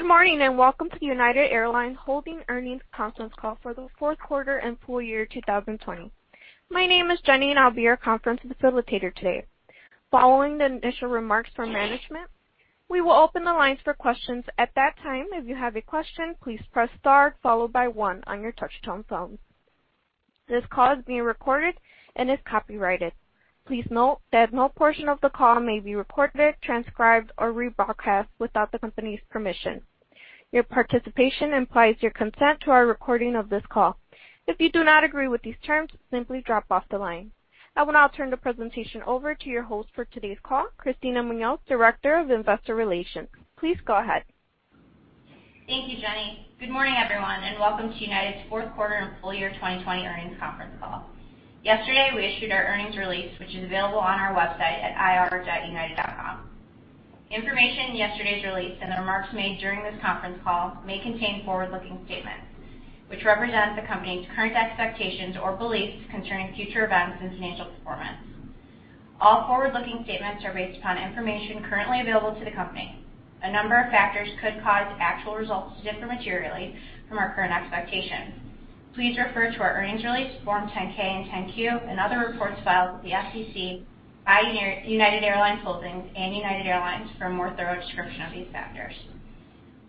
Good morning, and welcome to the United Airlines Holdings earnings conference call for the fourth quarter and full year 2020. My name is Jenny, and I'll be your conference facilitator today. Following the initial remarks from management, we will open the lines for questions. At that time, if you have a question, please press star followed by one on your touch-tone phone. This call is being recorded and is copyrighted. Please note that no portion of the call may be recorded, transcribed, or rebroadcast without the company's permission. Your participation implies your consent to our recording of this call. If you do not agree with these terms, simply drop off the line. I will now turn the presentation over to your host for today's call, Kristina Munoz, Director of Investor Relations. Please go ahead. Thank you, Jenny. Good morning, everyone, and welcome to United's fourth quarter and full year 2020 earnings conference call. Yesterday, we issued our earnings release, which is available on our website at ir.united.com. Information in yesterday's release and the remarks made during this conference call may contain forward-looking statements which represent the company's current expectations or beliefs concerning future events and financial performance. All forward-looking statements are based upon information currently available to the company. A number of factors could cause actual results to differ materially from our current expectations. Please refer to our earnings release, Form 10-K and 10-Q and other reports filed with the SEC by United Airlines Holdings and United Airlines for a more thorough description of these factors.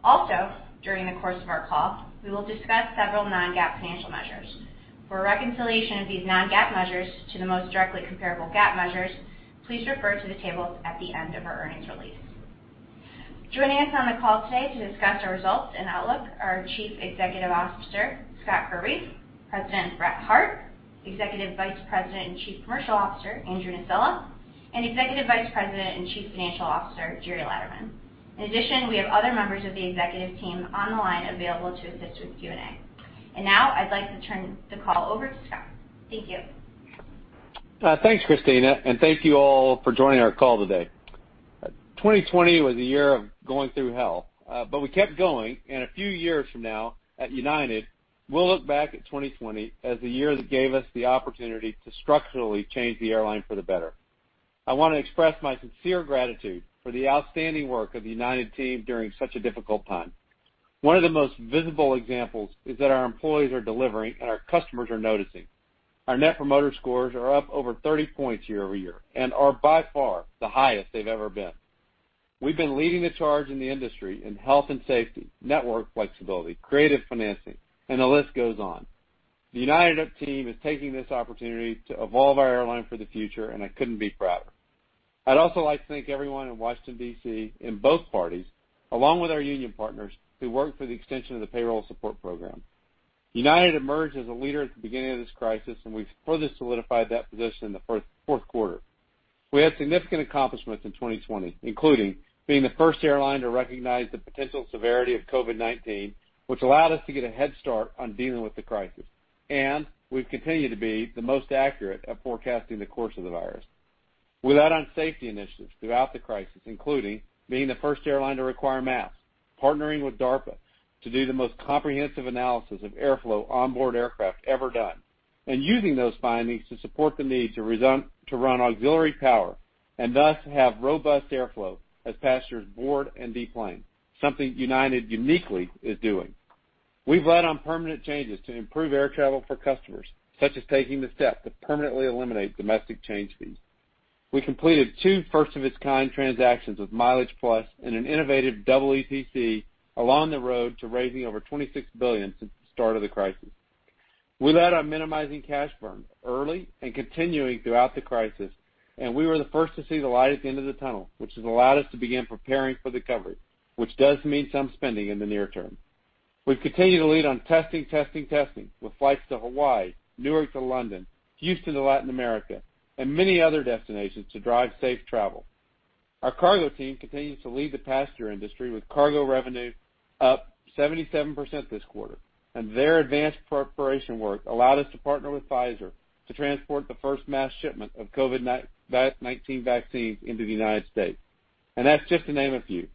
Also, during the course of our call, we will discuss several non-GAAP financial measures. For a reconciliation of these non-GAAP measures to the most directly comparable GAAP measures, please refer to the tables at the end of our earnings release. Joining us on the call today to discuss our results and outlook are Chief Executive Officer Scott Kirby, President Brett Hart, Executive Vice President and Chief Commercial Officer Andrew Nocella, and Executive Vice President and Chief Financial Officer Gerry Laderman. In addition, we have other members of the executive team on the line available to assist with Q&A. Now I'd like to turn the call over to Scott. Thank you. Thanks, Kristina, and thank you all for joining our call today. 2020 was a year of going through hell, but we kept going, and a few years from now at United, we'll look back at 2020 as the year that gave us the opportunity to structurally change the airline for the better. I want to express my sincere gratitude for the outstanding work of the United team during such a difficult time. One of the most visible examples is that our employees are delivering, and our customers are noticing. Our net promoter scores are up over 30 points year-over-year and are by far the highest they've ever been. We've been leading the charge in the industry in health and safety, network flexibility, creative financing, and the list goes on. The United team is taking this opportunity to evolve our airline for the future, and I couldn't be prouder. I'd also like to thank everyone in Washington, D.C., in both parties, along with our union partners who worked for the extension of the Payroll Support Program. United emerged as a leader at the beginning of this crisis, and we've further solidified that position in the fourth quarter. We had significant accomplishments in 2020, including being the first airline to recognize the potential severity of COVID-19, which allowed us to get a head start on dealing with the crisis. We've continued to be the most accurate at forecasting the course of the virus. We led on safety initiatives throughout the crisis, including being the first airline to require masks, partnering with DARPA to do the most comprehensive analysis of airflow onboard aircraft ever done, and using those findings to support the need to run auxiliary power and thus have robust airflow as passengers board and deplane, something United uniquely is doing. We've led on permanent changes to improve air travel for customers, such as taking the step to permanently eliminate domestic change fees. We completed two first-of-its-kind transactions with MileagePlus and an innovative double EETC along the road to raising over $26 billion since the start of the crisis. We led on minimizing cash burn early and continuing throughout the crisis. We were the first to see the light at the end of the tunnel, which has allowed us to begin preparing for the recovery, which does mean some spending in the near term. We've continued to lead on testing, testing with flights to Hawaii, Newark to London, Houston to Latin America, and many other destinations to drive safe travel. Our cargo team continues to lead the passenger industry with cargo revenue up 77% this quarter. Their advanced preparation work allowed us to partner with Pfizer to transport the first mass shipment of COVID-19 vaccines into the U.S. That's just to name a few.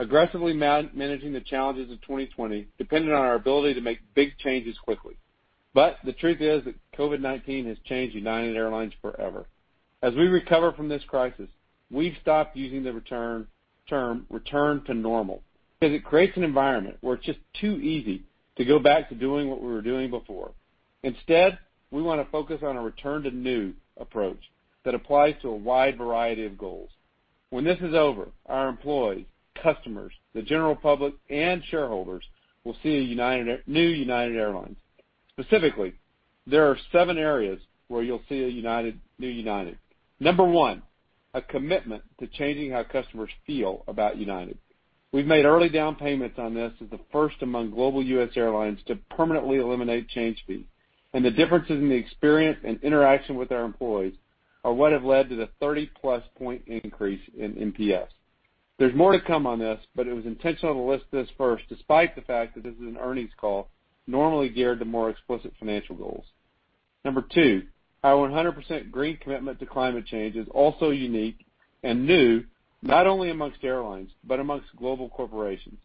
Aggressively managing the challenges of 2020 depended on our ability to make big changes quickly. The truth is that COVID-19 has changed United Airlines forever. As we recover from this crisis, we've stopped using the term return to normal because it creates an environment where it's just too easy to go back to doing what we were doing before. Instead, we want to focus on a return to new approach that applies to a wide variety of goals. When this is over, our employees, customers, the general public, and shareholders will see a new United Airlines. Specifically, there are seven areas where you'll see a new United. Number one, a commitment to changing how customers feel about United. We've made early down payments on this as the first among global U.S. airlines to permanently eliminate change fees, and the differences in the experience and interaction with our employees are what have led to the 30-plus point increase in NPS. There's more to come on this, but it was intentional to list this first, despite the fact that this is an earnings call normally geared to more explicit financial goals. Number two, our 100% green commitment to climate change is also unique and new, not only amongst airlines, but amongst global corporations.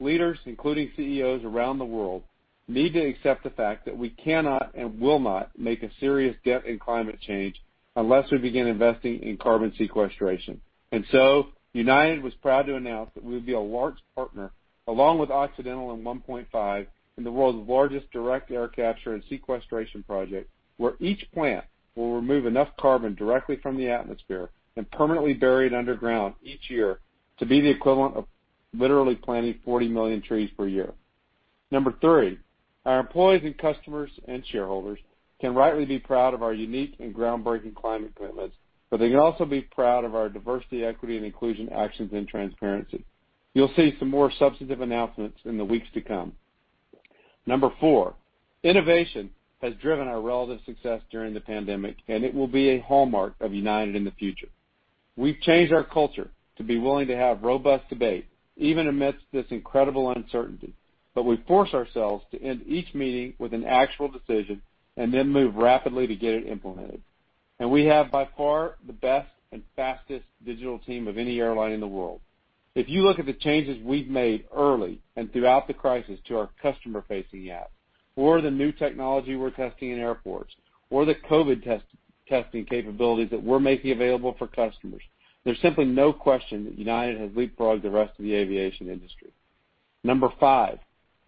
Leaders, including CEOs around the world need to accept the fact that we cannot and will not make a serious dent in climate change unless we begin investing in carbon sequestration. United was proud to announce that we would be a large partner along with Occidental and 1PointFive in the world's largest direct air capture and sequestration project, where each plant will remove enough carbon directly from the atmosphere and permanently buried underground each year to be the equivalent of literally planting 40 million trees per year. Number three, our employees and customers and shareholders can rightly be proud of our unique and groundbreaking climate commitments, but they can also be proud of our diversity, equity, and inclusion actions and transparency. You'll see some more substantive announcements in the weeks to come. Number four, innovation has driven our relative success during the pandemic, and it will be a hallmark of United in the future. We've changed our culture to be willing to have robust debate even amidst this incredible uncertainty, but we force ourselves to end each meeting with an actual decision and then move rapidly to get it implemented. We have by far the best and fastest digital team of any airline in the world. If you look at the changes we've made early and throughout the crisis to our customer-facing app or the new technology we're testing in airports or the COVID testing capabilities that we're making available for customers, there's simply no question that United has leapfrogged the rest of the aviation industry. Number five,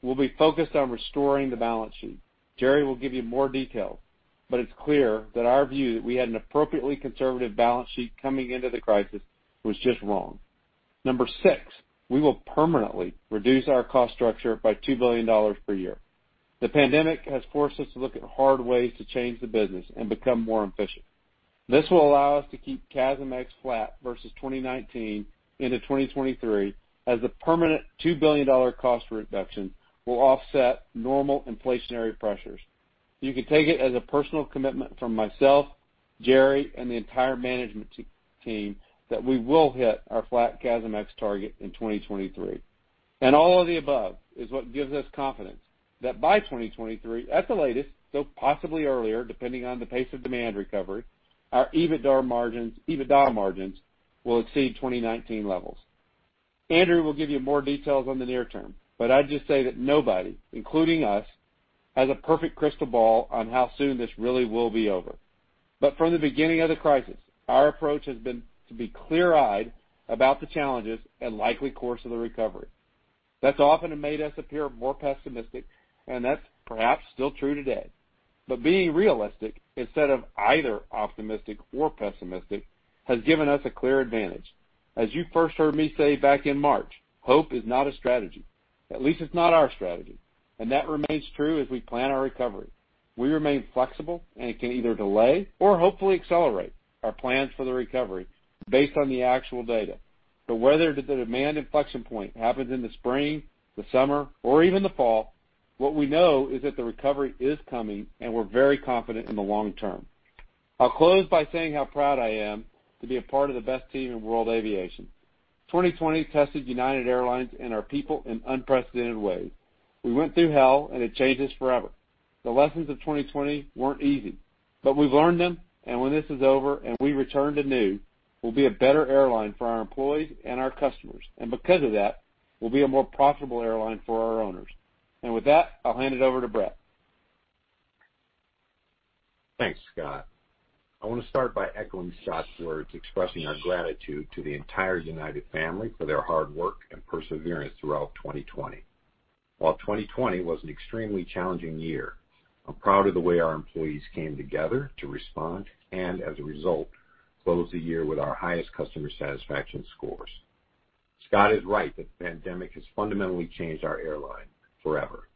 we'll be focused on restoring the balance sheet. Gerry will give you more details, but it's clear that our view that we had an appropriately conservative balance sheet coming into the crisis was just wrong. Number six, we will permanently reduce our cost structure by $2 billion per year. The pandemic has forced us to look at hard ways to change the business and become more efficient. This will allow us to keep CASM-ex flat versus 2019 into 2023 as the permanent $2 billion cost reduction will offset normal inflationary pressures. You can take it as a personal commitment from myself, Gerry, and the entire management team that we will hit our flat CASM-ex target in 2023. All of the above is what gives us confidence that by 2023 at the latest, though possibly earlier depending on the pace of demand recovery, our EBITDA margins will exceed 2019 levels. Andrew will give you more details on the near term, I'd just say that nobody, including us, has a perfect crystal ball on how soon this really will be over. From the beginning of the crisis, our approach has been to be clear-eyed about the challenges and likely course of the recovery. That's often made us appear more pessimistic, that's perhaps still true today. Being realistic instead of either optimistic or pessimistic has given us a clear advantage. As you first heard me say back in March, hope is not a strategy. At least it's not our strategy. That remains true as we plan our recovery. We remain flexible and can either delay or hopefully accelerate our plans for the recovery based on the actual data. Whether the demand inflection point happens in the spring, the summer, or even the fall, what we know is that the recovery is coming and we're very confident in the long term. I'll close by saying how proud I am to be a part of the best team in world aviation. 2020 tested United Airlines and our people in unprecedented ways. We went through hell and it changed us forever. The lessons of 2020 weren't easy, but we've learned them, and when this is over and we return to new, we'll be a better airline for our employees and our customers. Because of that, we'll be a more profitable airline for our owners. With that, I'll hand it over to Brett. Thanks, Scott. I want to start by echoing Scott's words, expressing our gratitude to the entire United family for their hard work and perseverance throughout 2020. While 2020 was an extremely challenging year, I'm proud of the way our employees came together to respond and as a result, close the year with our highest customer satisfaction scores. Scott is right that the pandemic has fundamentally changed our airline forever.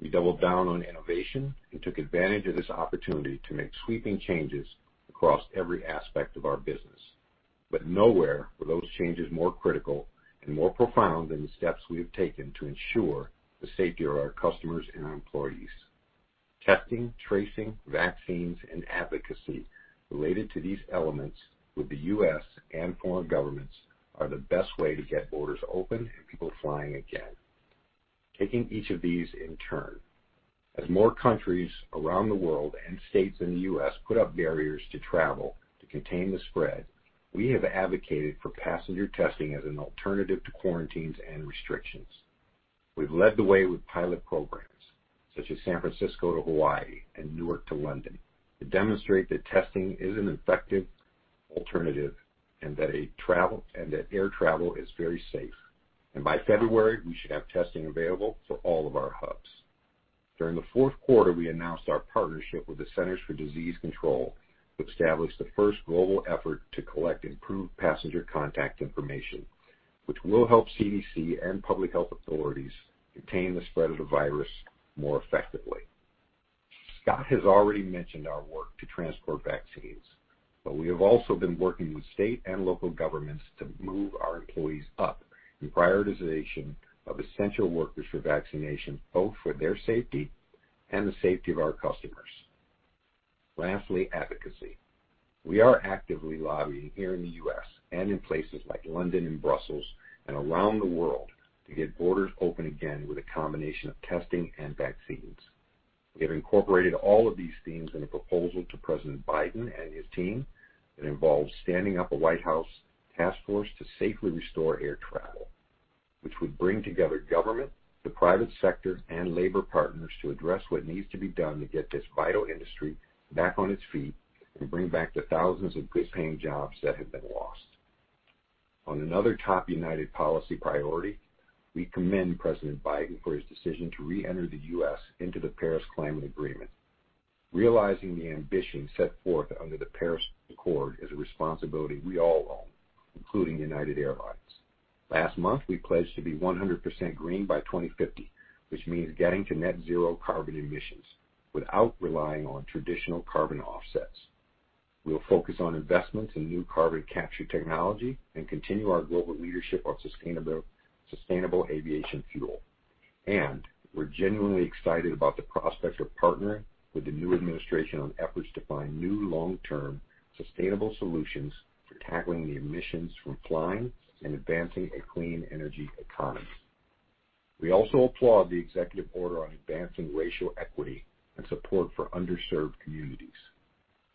We doubled down on innovation and took advantage of this opportunity to make sweeping changes across every aspect of our business. Nowhere were those changes more critical and more profound than the steps we have taken to ensure the safety of our customers and our employees. Testing, tracing, vaccines, and advocacy related to these elements with the U.S. and foreign governments are the best way to get borders open and people flying again. Taking each of these in turn. As more countries around the world and states in the U.S. put up barriers to travel to contain the spread, we have advocated for passenger testing as an alternative to quarantines and restrictions. We've led the way with pilot programs such as San Francisco to Hawaii and Newark to London to demonstrate that testing is an effective alternative and that air travel is very safe. By February, we should have testing available for all of our hubs. During the fourth quarter, we announced our partnership with the Centers for Disease Control to establish the first global effort to collect improved passenger contact information, which will help CDC and public health authorities contain the spread of the virus more effectively. Scott has already mentioned our work to transport vaccines, but we have also been working with state and local governments to move our employees up in prioritization of essential workers for vaccination, both for their safety and the safety of our customers. Lastly, advocacy. We are actively lobbying here in the U.S. and in places like London and Brussels and around the world to get borders open again with a combination of testing and vaccines. We have incorporated all of these themes in a proposal to President Biden and his team that involves standing up a White House task force to safely restore air travel, which would bring together government, the private sector, and labor partners to address what needs to be done to get this vital industry back on its feet and bring back the thousands of good-paying jobs that have been lost. On another top United policy priority, we commend President Biden for his decision to re-enter the U.S. into the Paris Climate Agreement. Realizing the ambition set forth under the Paris Accord is a responsibility we all own, including United Airlines. Last month, we pledged to be 100% green by 2050, which means getting to net zero carbon emissions without relying on traditional carbon offsets. We're genuinely excited about the prospect of partnering with the new administration on efforts to find new long-term sustainable solutions for tackling the emissions from flying and advancing a clean energy economy. We also applaud the executive order on advancing racial equity and support for underserved communities.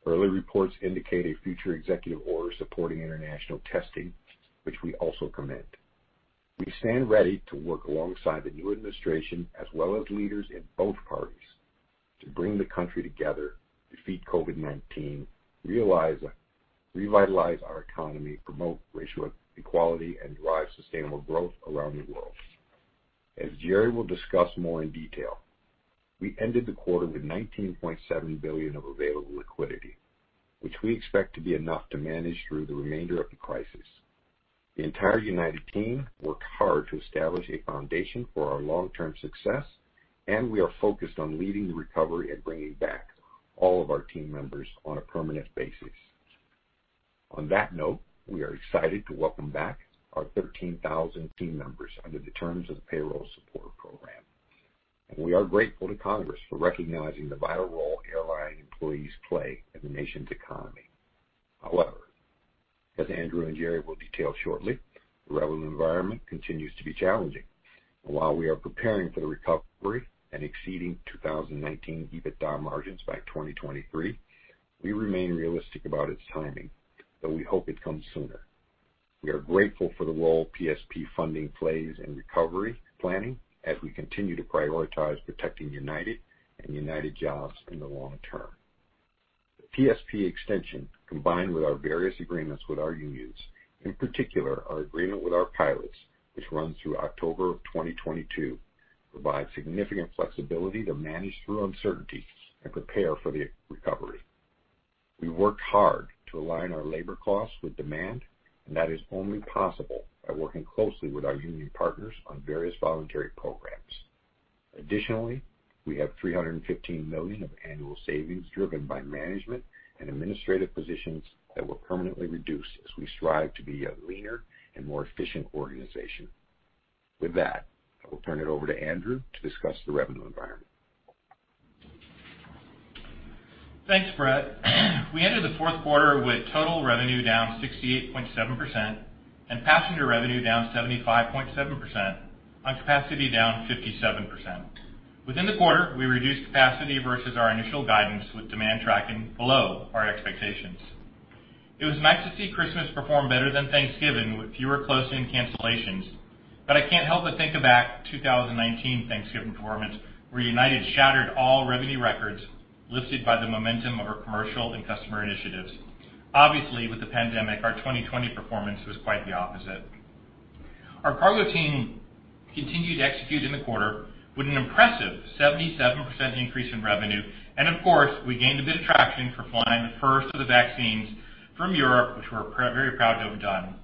Early reports indicate a future executive order supporting international testing, which we also commend. We stand ready to work alongside the new administration as well as leaders in both parties to bring the country together, defeat COVID-19, revitalize our economy, promote racial equality, and drive sustainable growth around the world. As Gerry will discuss more in detail, we ended the quarter with $19.7 billion of available liquidity, which we expect to be enough to manage through the remainder of the crisis. The entire United team worked hard to establish a foundation for our long-term success, and we are focused on leading the recovery and bringing back all of our team members on a permanent basis. On that note, we are excited to welcome back our 13,000 team members under the terms of the Payroll Support Program. We are grateful to Congress for recognizing the vital role airline employees play in the nation's economy. However, as Andrew and Gerry will detail shortly, the revenue environment continues to be challenging. While we are preparing for the recovery and exceeding 2019 EBITDA margins by 2023, we remain realistic about its timing, though we hope it comes sooner. We are grateful for the role PSP funding plays in recovery planning as we continue to prioritize protecting United and United jobs in the long term. The PSP extension, combined with our various agreements with our unions, in particular our agreement with our pilots, which runs through October of 2022, provide significant flexibility to manage through uncertainties and prepare for the recovery. We worked hard to align our labor costs with demand, and that is only possible by working closely with our union partners on various voluntary programs. Additionally, we have $315 million of annual savings driven by management and administrative positions that will permanently reduce as we strive to be a leaner and more efficient organization. With that, I will turn it over to Andrew to discuss the revenue environment. Thanks, Brett. We ended the fourth quarter with total revenue down 68.7% and passenger revenue down 75.7% on capacity down 57%. Within the quarter, we reduced capacity versus our initial guidance with demand tracking below our expectations. It was nice to see Christmas perform better than Thanksgiving with fewer closings and cancellations. I can't help but think of that 2019 Thanksgiving performance where United shattered all revenue records lifted by the momentum of our commercial and customer initiatives. Obviously, with the pandemic, our 2020 performance was quite the opposite. Our cargo team continued to execute in the quarter with an impressive 77% increase in revenue. Of course, we gained a bit of traction for flying the first of the vaccines from Europe, which we're very proud to have done.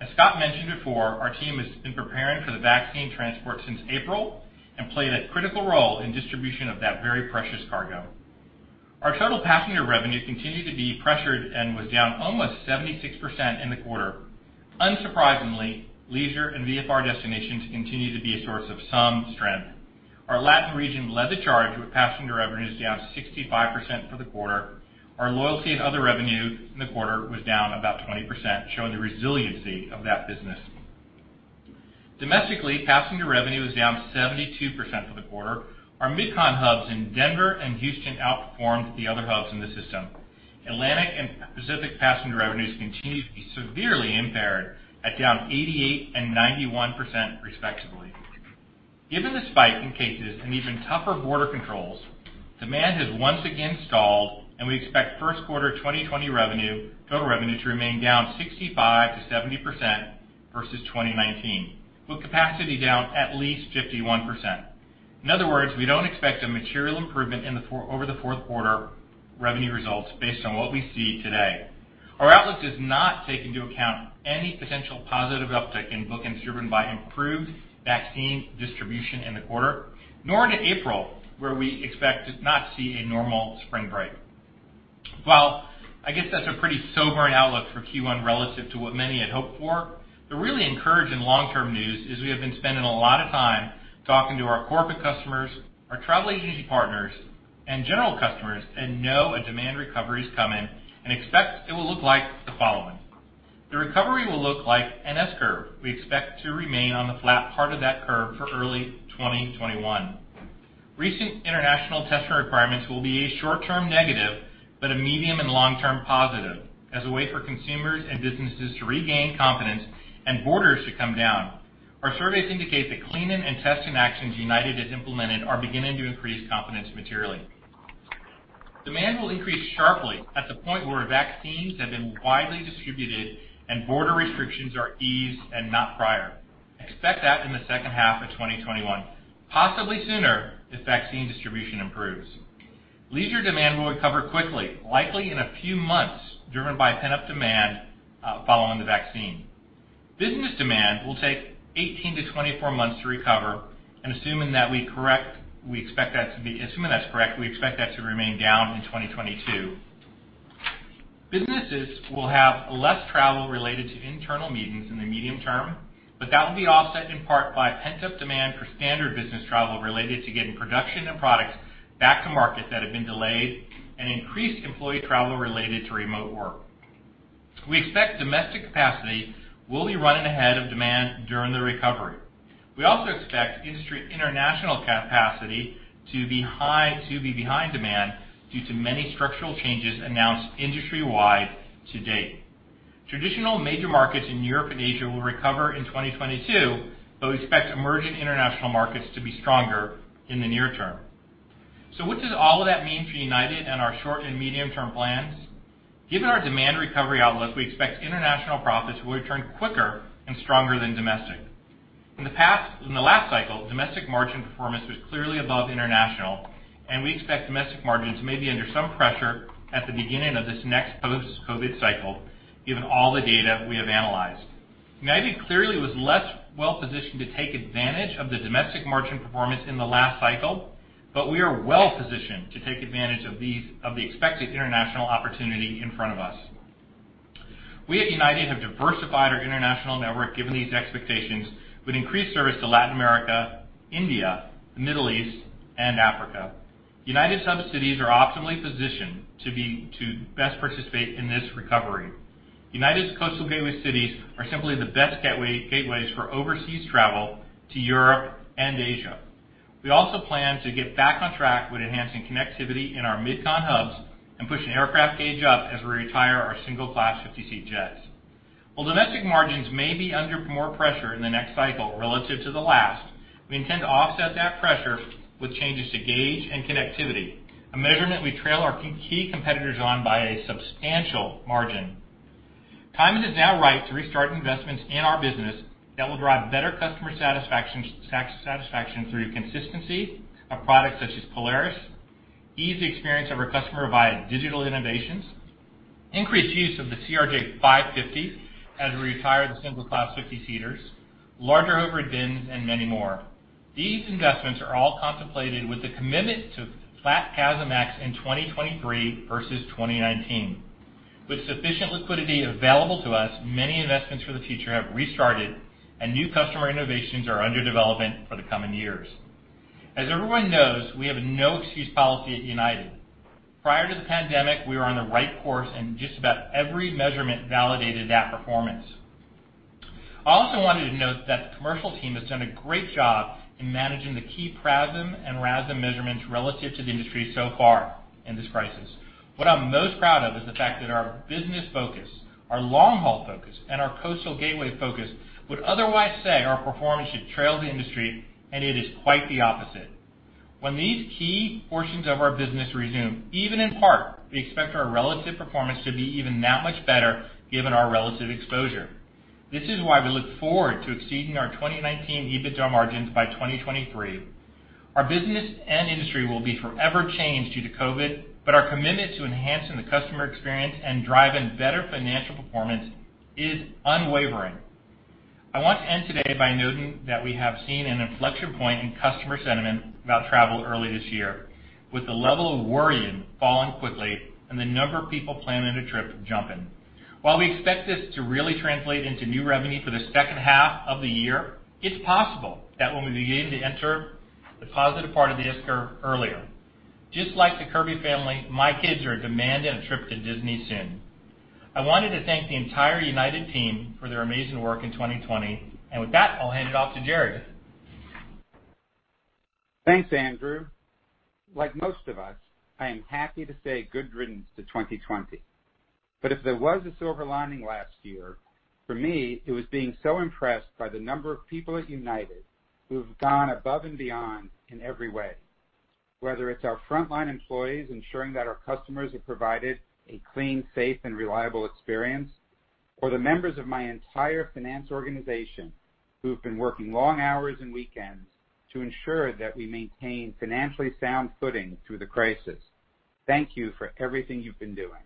As Scott mentioned before, our team has been preparing for the vaccine transport since April and played a critical role in distribution of that very precious cargo. Our total passenger revenue continued to be pressured and was down almost 76% in the quarter. Unsurprisingly, leisure and VFR destinations continue to be a source of some strength. Our Latin region led the charge with passenger revenues down 65% for the quarter. Our loyalty and other revenue in the quarter was down about 20%, showing the resiliency of that business. Domestically, passenger revenue was down 72% for the quarter. Our mid-con hubs in Denver and Houston outperformed the other hubs in the system. Atlantic and Pacific passenger revenues continue to be severely impaired at down 88% and 91%, respectively. Given the spike in cases and even tougher border controls, demand has once again stalled. We expect first quarter 2020 total revenue to remain down 65%-70% versus 2019, with capacity down at least 51%. In other words, we don't expect a material improvement over the fourth quarter revenue results based on what we see today. Our outlook does not take into account any potential positive uptick in bookings driven by improved vaccine distribution in the quarter, nor into April, where we expect to not see a normal spring break. I guess that's a pretty sobering outlook for Q1 relative to what many had hoped for, the really encouraging long-term news is we have been spending a lot of time talking to our corporate customers, our travel agency partners, and general customers and know a demand recovery is coming and expect it will look like the following. The recovery will look like an S curve. We expect to remain on the flat part of that curve for early 2021. Recent international testing requirements will be a short-term negative, but a medium and long-term positive as a way for consumers and businesses to regain confidence and borders to come down. Our surveys indicate that cleaning and testing actions United has implemented are beginning to increase confidence materially. Demand will increase sharply at the point where vaccines have been widely distributed and border restrictions are eased and not prior. Expect that in the second half of 2021, possibly sooner if vaccine distribution improves. Leisure demand will recover quickly, likely in a few months, driven by pent-up demand following the vaccine. Business demand will take 18 to 24 months to recover, and assuming that's correct, we expect that to remain down in 2022. Businesses will have less travel related to internal meetings in the medium term, but that will be offset in part by pent-up demand for standard business travel related to getting production and products back to market that have been delayed, and increased employee travel related to remote work. We expect domestic capacity will be running ahead of demand during the recovery. We also expect industry international capacity to be behind demand due to many structural changes announced industry-wide to date. Traditional major markets in Europe and Asia will recover in 2022. We expect emerging international markets to be stronger in the near term. What does all of that mean for United and our short and medium-term plans? Given our demand recovery outlook, we expect international profits will return quicker and stronger than domestic. In the last cycle, domestic margin performance was clearly above international. We expect domestic margins may be under some pressure at the beginning of this next post-COVID cycle, given all the data we have analyzed. United clearly was less well-positioned to take advantage of the domestic margin performance in the last cycle. We are well-positioned to take advantage of the expected international opportunity in front of us. We at United have diversified our international network given these expectations with increased service to Latin America, India, the Middle East, and Africa. United's hub cities are optimally positioned to best participate in this recovery. United's coastal gateway cities are simply the best gateways for overseas travel to Europe and Asia. We also plan to get back on track with enhancing connectivity in our mid-con hubs and pushing aircraft gauge up as we retire our single-class 50-seat jets. While domestic margins may be under more pressure in the next cycle relative to the last, we intend to offset that pressure with changes to gauge and connectivity, a measurement we trail our key competitors on by a substantial margin. Time is now right to restart investments in our business that will drive better customer satisfaction through consistency of products such as Polaris, ease the experience of our customer via digital innovations, increased use of the CRJ-550 as we retire the single-class 50-seaters, larger overhead bins, and many more. These investments are all contemplated with the commitment to flat CASM ex in 2023 versus 2019. With sufficient liquidity available to us, many investments for the future have restarted, and new customer innovations are under development for the coming years. As everyone knows, we have a no excuse policy at United. Prior to the pandemic, we were on the right course and just about every measurement validated that performance. I also wanted to note that the commercial team has done a great job in managing the key PRASM and RASM measurements relative to the industry so far in this crisis. What I'm most proud of is the fact that our business focus, our long-haul focus, and our coastal gateway focus would otherwise say our performance should trail the industry, and it is quite the opposite. When these key portions of our business resume, even in part, we expect our relative performance to be even that much better given our relative exposure. This is why we look forward to exceeding our 2019 EBITDA margins by 2023. Our business and industry will be forever changed due to COVID, but our commitment to enhancing the customer experience and driving better financial performance is unwavering. I want to end today by noting that we have seen an inflection point in customer sentiment about travel early this year, with the level of worrying falling quickly and the number of people planning a trip jumping. While we expect this to really translate into new revenue for the second half of the year, it's possible that we will begin to enter the positive part of the S-curve earlier. Just like the Kirby family, my kids are demanding a trip to Disney soon. I wanted to thank the entire United team for their amazing work in 2020. With that, I'll hand it off to Gerry. Thanks, Andrew. Like most of us, I am happy to say good riddance to 2020. But if there was a silver lining last year, for me, it was being so impressed by the number of people at United who have gone above and beyond in every way. Whether it's our frontline employees ensuring that our customers are provided a clean, safe, and reliable experience, or the members of my entire finance organization who've been working long hours and weekends to ensure that we maintain financially sound footing through the crisis. Thank you for everything you've been doing.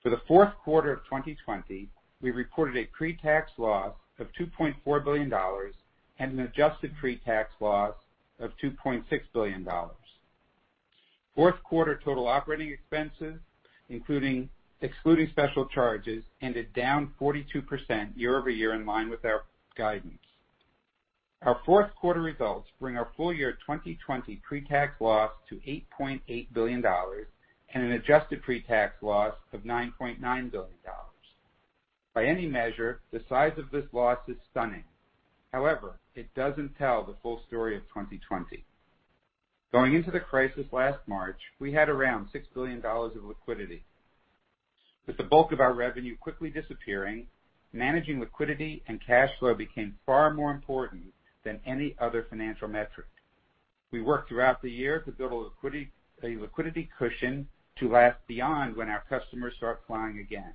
For the fourth quarter of 2020, we reported a pretax loss of $2.4 billion and an adjusted pretax loss of $2.6 billion. Fourth quarter total operating expenses, excluding special charges, ended down 42% year-over-year in line with our guidance. Our fourth quarter results bring our full year 2020 pre-tax loss to $8.8 billion and an adjusted pre-tax loss of $9.9 billion. By any measure, the size of this loss is stunning. It doesn't tell the full story of 2020. Going into the crisis last March, we had around $6 billion of liquidity. With the bulk of our revenue quickly disappearing, managing liquidity and cash flow became far more important than any other financial metric. We worked throughout the year to build a liquidity cushion to last beyond when our customers start flying again.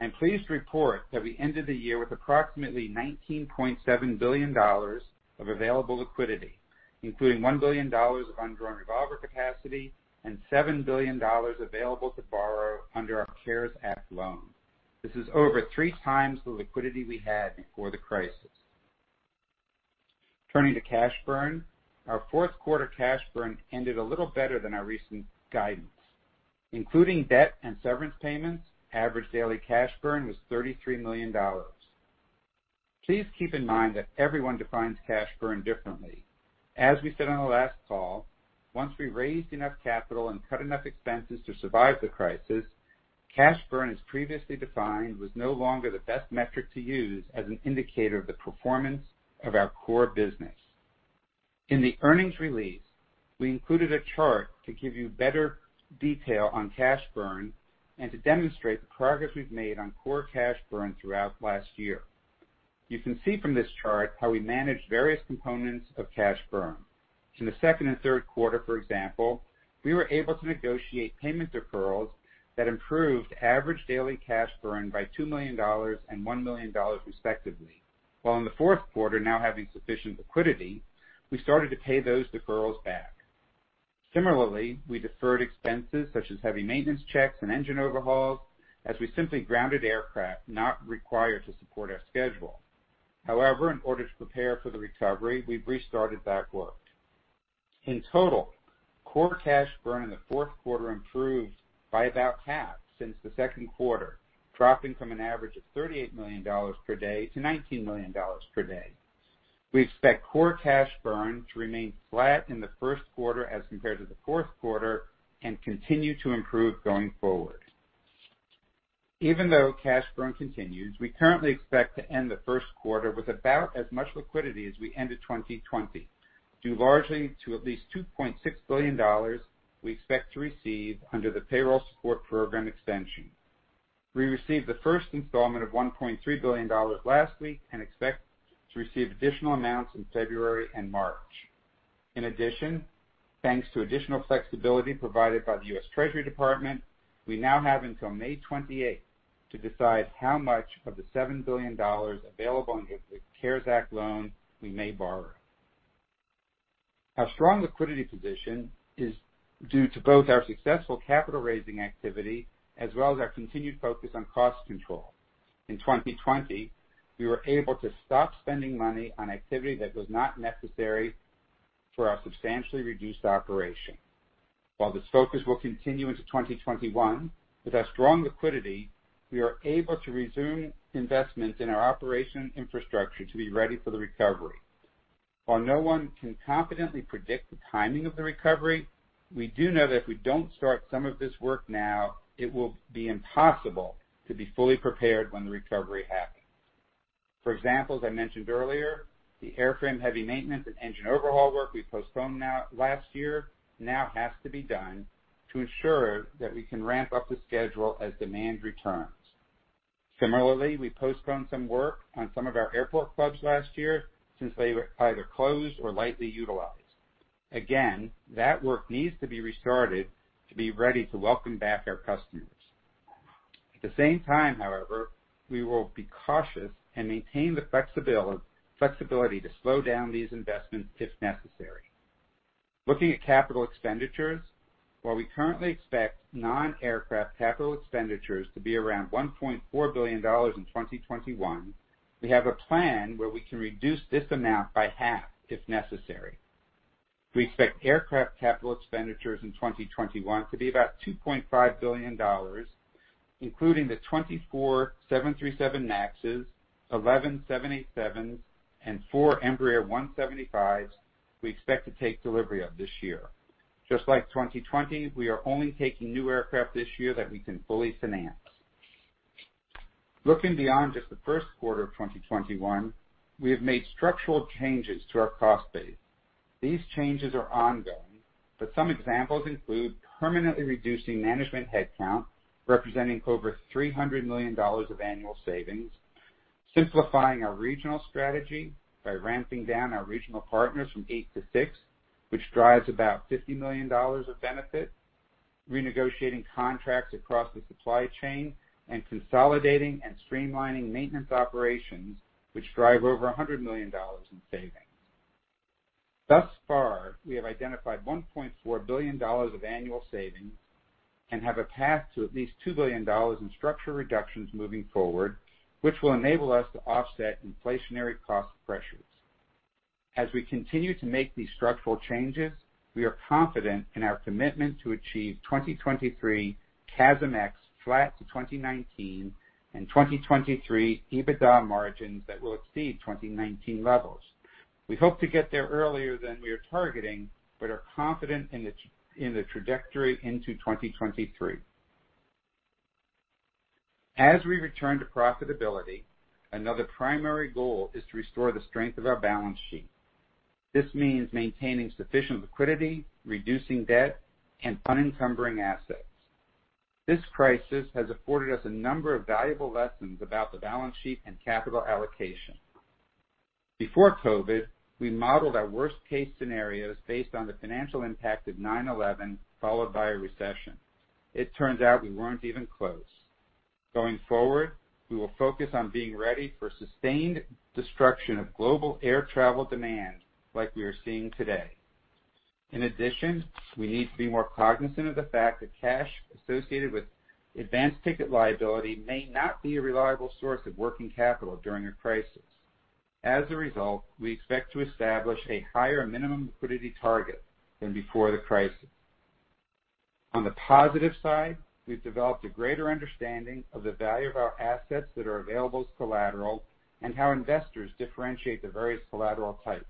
I'm pleased to report that we ended the year with approximately $19.7 billion of available liquidity, including $1 billion of undrawn revolver capacity and $7 billion available to borrow under our CARES Act loan. This is over three times the liquidity we had before the crisis. Turning to cash burn, our fourth quarter cash burn ended a little better than our recent guidance. Including debt and severance payments, average daily cash burn was $33 million. Please keep in mind that everyone defines cash burn differently. As we said on the last call, once we raised enough capital and cut enough expenses to survive the crisis, cash burn, as previously defined, was no longer the best metric to use as an indicator of the performance of our core business. In the earnings release, we included a chart to give you better detail on cash burn and to demonstrate the progress we've made on core cash burn throughout last year. You can see from this chart how we managed various components of cash burn. In the second and third quarter, for example, we were able to negotiate payment deferrals that improved average daily cash burn by $2 million and $1 million respectively. In the fourth quarter, now having sufficient liquidity, we started to pay those deferrals back. Similarly, we deferred expenses such as heavy maintenance checks and engine overhauls as we simply grounded aircraft not required to support our schedule. However, in order to prepare for the recovery, we've restarted that work. In total, core cash burn in the fourth quarter improved by about half since the second quarter, dropping from an average of $38 million per day to $19 million per day. We expect core cash burn to remain flat in the first quarter as compared to the fourth quarter and continue to improve going forward. Even though cash burn continues, we currently expect to end the first quarter with about as much liquidity as we ended 2020, due largely to at least $2.6 billion we expect to receive under the Payroll Support Program extension. We received the first installment of $1.3 billion last week and expect to receive additional amounts in February and March. In addition, thanks to additional flexibility provided by the U.S. Treasury Department, we now have until May 28th to decide how much of the $7 billion available under the CARES Act loan we may borrow. Our strong liquidity position is due to both our successful capital-raising activity as well as our continued focus on cost control. In 2020, we were able to stop spending money on activity that was not necessary for our substantially reduced operation. While this focus will continue into 2021, with our strong liquidity, we are able to resume investment in our operation infrastructure to be ready for the recovery. While no one can confidently predict the timing of the recovery, we do know that if we don't start some of this work now, it will be impossible to be fully prepared when the recovery happens. For example, as I mentioned earlier, the airframe heavy maintenance and engine overhaul work we postponed last year now has to be done to ensure that we can ramp up the schedule as demand returns. Similarly, we postponed some work on some of our airport clubs last year since they were either closed or lightly utilized. Again, that work needs to be restarted to be ready to welcome back our customers. At the same time, however, we will be cautious and maintain the flexibility to slow down these investments if necessary. Looking at capital expenditures, while we currently expect non-aircraft capital expenditures to be around $1.4 billion in 2021, we have a plan where we can reduce this amount by half if necessary. We expect aircraft capital expenditures in 2021 to be about $2.5 billion, including the 24 737 MAXes, 11 787s, and four Embraer 175s we expect to take delivery of this year. Just like 2020, we are only taking new aircraft this year that we can fully finance. Looking beyond just the first quarter of 2021, we have made structural changes to our cost base. These changes are ongoing, but some examples include permanently reducing management headcount, representing over $300 million of annual savings. Simplifying our regional strategy by ramping down our regional partners from eight to six, which drives about $50 million of benefit. Renegotiating contracts across the supply chain and consolidating and streamlining maintenance operations, which drive over $100 million in savings. Thus far, we have identified $1.4 billion of annual savings and have a path to at least $2 billion in structural reductions moving forward, which will enable us to offset inflationary cost pressures. As we continue to make these structural changes, we are confident in our commitment to achieve 2023 CASM ex flat to 2019 and 2023 EBITDA margins that will exceed 2019 levels. We hope to get there earlier than we are targeting. We are confident in the trajectory into 2023. As we return to profitability, another primary goal is to restore the strength of our balance sheet. This means maintaining sufficient liquidity, reducing debt, and unencumbering assets. This crisis has afforded us a number of valuable lessons about the balance sheet and capital allocation. Before COVID, we modeled our worst-case scenarios based on the financial impact of 9/11, followed by a recession. It turns out we weren't even close. Going forward, we will focus on being ready for sustained destruction of global air travel demand like we are seeing today. In addition, we need to be more cognizant of the fact that cash associated with advance ticket liability may not be a reliable source of working capital during a crisis. As a result, we expect to establish a higher minimum liquidity target than before the crisis. On the positive side, we've developed a greater understanding of the value of our assets that are available as collateral and how investors differentiate the various collateral types.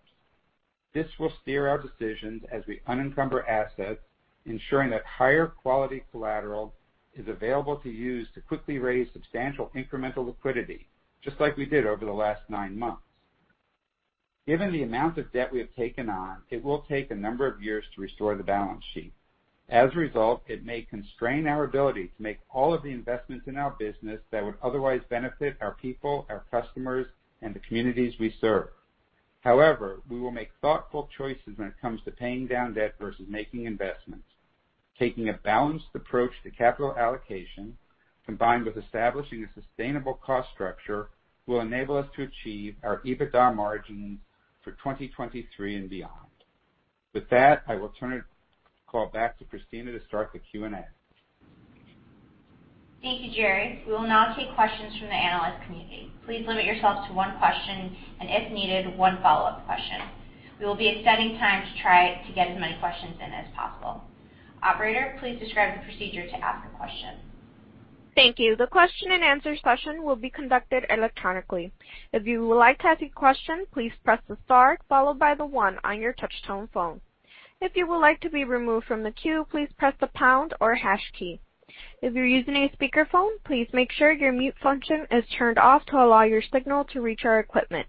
This will steer our decisions as we unencumber assets, ensuring that higher quality collateral is available to use to quickly raise substantial incremental liquidity, just like we did over the last nine months. Given the amount of debt we have taken on, it will take a number of years to restore the balance sheet. As a result, it may constrain our ability to make all of the investments in our business that would otherwise benefit our people, our customers, and the communities we serve. However, we will make thoughtful choices when it comes to paying down debt versus making investments. Taking a balanced approach to capital allocation, combined with establishing a sustainable cost structure, will enable us to achieve our EBITDA margins for 2023 and beyond. With that, I will turn the call back to Kristina to start the Q&A. Thank you, Gerry. We will now take questions from the analyst community. Please limit yourself to one question and, if needed, one follow-up question. We will be extending time to try to get as many questions in as possible. Operator, please describe the procedure to ask a question. Thank you. The question and answer session will be conducted electronically. If you would like to ask a question, please press the star followed by one on your touch-tone phone. If you would like to be removed from the queue, please press the pound or hash key. If you're using a speakerphone, please make sure your mute function is turned off to allow your signal to reach our equipment.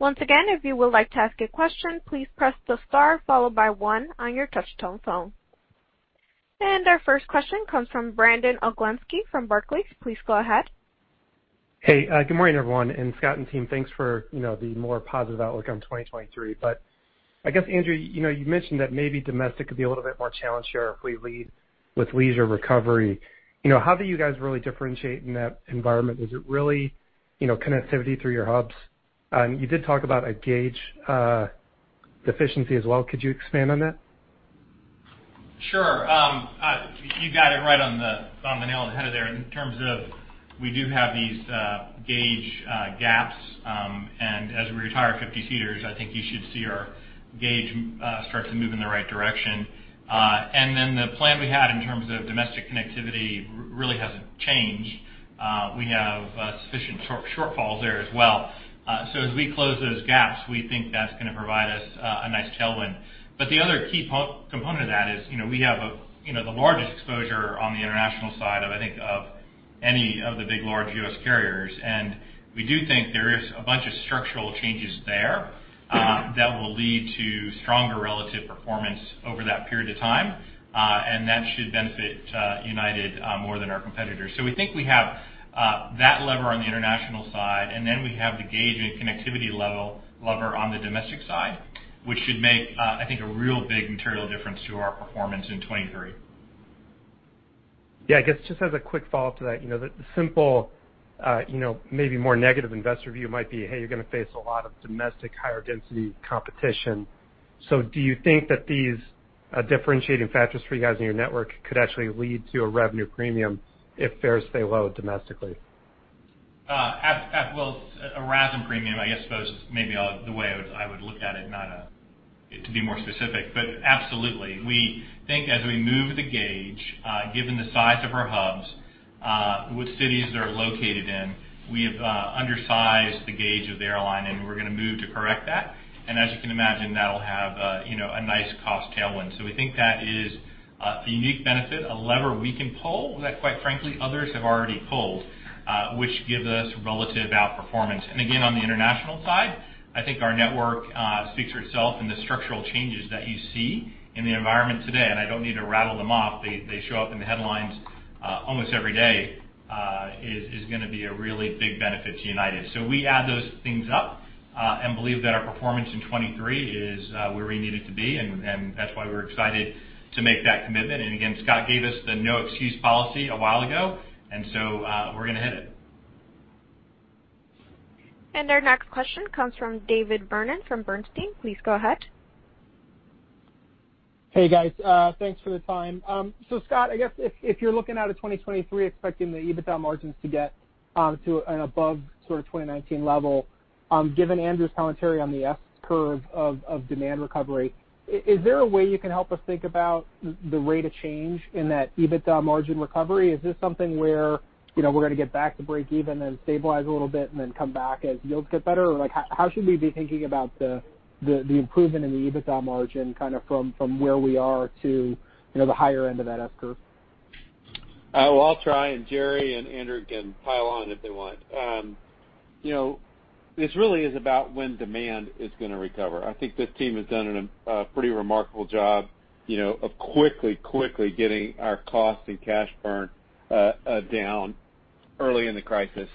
Once again, if you would like to ask a question, please press the star followed by one on your touch-tone phone. Our first question comes from Brandon Oglenski from Barclays. Please go ahead. Hey, good morning, everyone. Scott and team, thanks for the more positive outlook on 2023. I guess, Andrew, you mentioned that maybe domestic could be a little bit more challenged here if we lead with leisure recovery. How do you guys really differentiate in that environment? Is it really connectivity through your hubs? You did talk about a gauge deficiency as well. Could you expand on that? Sure. You got it right on the nail on the head there in terms of we do have these gauge gaps. As we retire 50-seaters, I think you should see our gauge start to move in the right direction. The plan we had in terms of domestic connectivity really hasn't changed. We have sufficient shortfalls there as well. As we close those gaps, we think that's going to provide us a nice tailwind. The other key component of that is we have the largest exposure on the international side of, I think, any of the big, large U.S. carriers. We do think there is a bunch of structural changes there that will lead to stronger relative performance over that period of time, and that should benefit United more than our competitors. We think we have that lever on the international side, and then we have the gauge and connectivity lever on the domestic side, which should make, I think, a real big material difference to our performance in 2023. Yeah, I guess just as a quick follow-up to that. The simple, maybe more negative investor view might be, hey, you're going to face a lot of domestic higher density competition. Do you think that these differentiating factors for you guys in your network could actually lead to a revenue premium if fares stay low domestically? Well, a RASM premium, I guess, I suppose is maybe the way I would look at it, to be more specific. Absolutely. We think as we move the gauge, given the size of our hubs, which cities they are located in, we have undersized the gauge of the airline, and we're going to move to correct that. As you can imagine, that'll have a nice cost tailwind. We think that is a unique benefit, a lever we can pull that, quite frankly, others have already pulled which gives us relative outperformance. Again, on the international side, I think our network speaks for itself and the structural changes that you see in the environment today, and I don't need to rattle them off, they show up in the headlines almost every day, is going to be a really big benefit to United. We add those things up and believe that our performance in 2023 is where we need it to be, and that's why we're excited to make that commitment. Again, Scott gave us the no excuse policy a while ago, and so we're going to hit it. Our next question comes from David Vernon from Bernstein. Please go ahead. Hey, guys. Thanks for the time. Scott, I guess if you're looking out at 2023 expecting the EBITDA margins to get to an above 2019 level, given Andrew's commentary on the S curve of demand recovery, is there a way you can help us think about the rate of change in that EBITDA margin recovery? Is this something where we're going to get back to break even, then stabilize a little bit, and then come back as yields get better? How should we be thinking about the improvement in the EBITDA margin from where we are to the higher end of that S curve? I'll try. Gerry and Andrew can pile on if they want. This really is about when demand is going to recover. I think this team has done a pretty remarkable job of quickly getting our costs and cash burn down early in the crisis.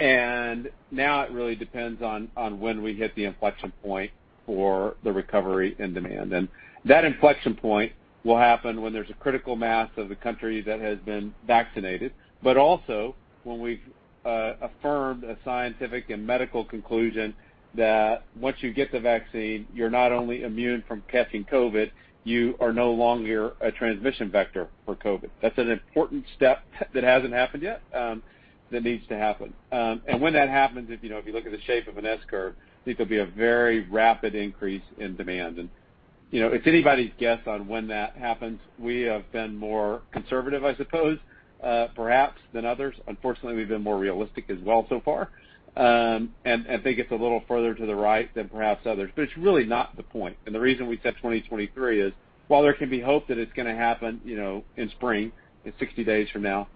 Now it really depends on when we hit the inflection point for the recovery in demand. That inflection point will happen when there's a critical mass of the country that has been vaccinated, but also when we've affirmed a scientific and medical conclusion that once you get the vaccine, you're not only immune from catching COVID, you are no longer a transmission vector for COVID. That's an important step that hasn't happened yet, that needs to happen. When that happens, if you look at the shape of an S curve, I think there'll be a very rapid increase in demand. It's anybody's guess on when that happens. We have been more conservative, I suppose, perhaps, than others. Unfortunately, we've been more realistic as well so far, and think it's a little further to the right than perhaps others. It's really not the point. The reason we said 2023 is, while there can be hope that it's going to happen in spring, in 60 days from now,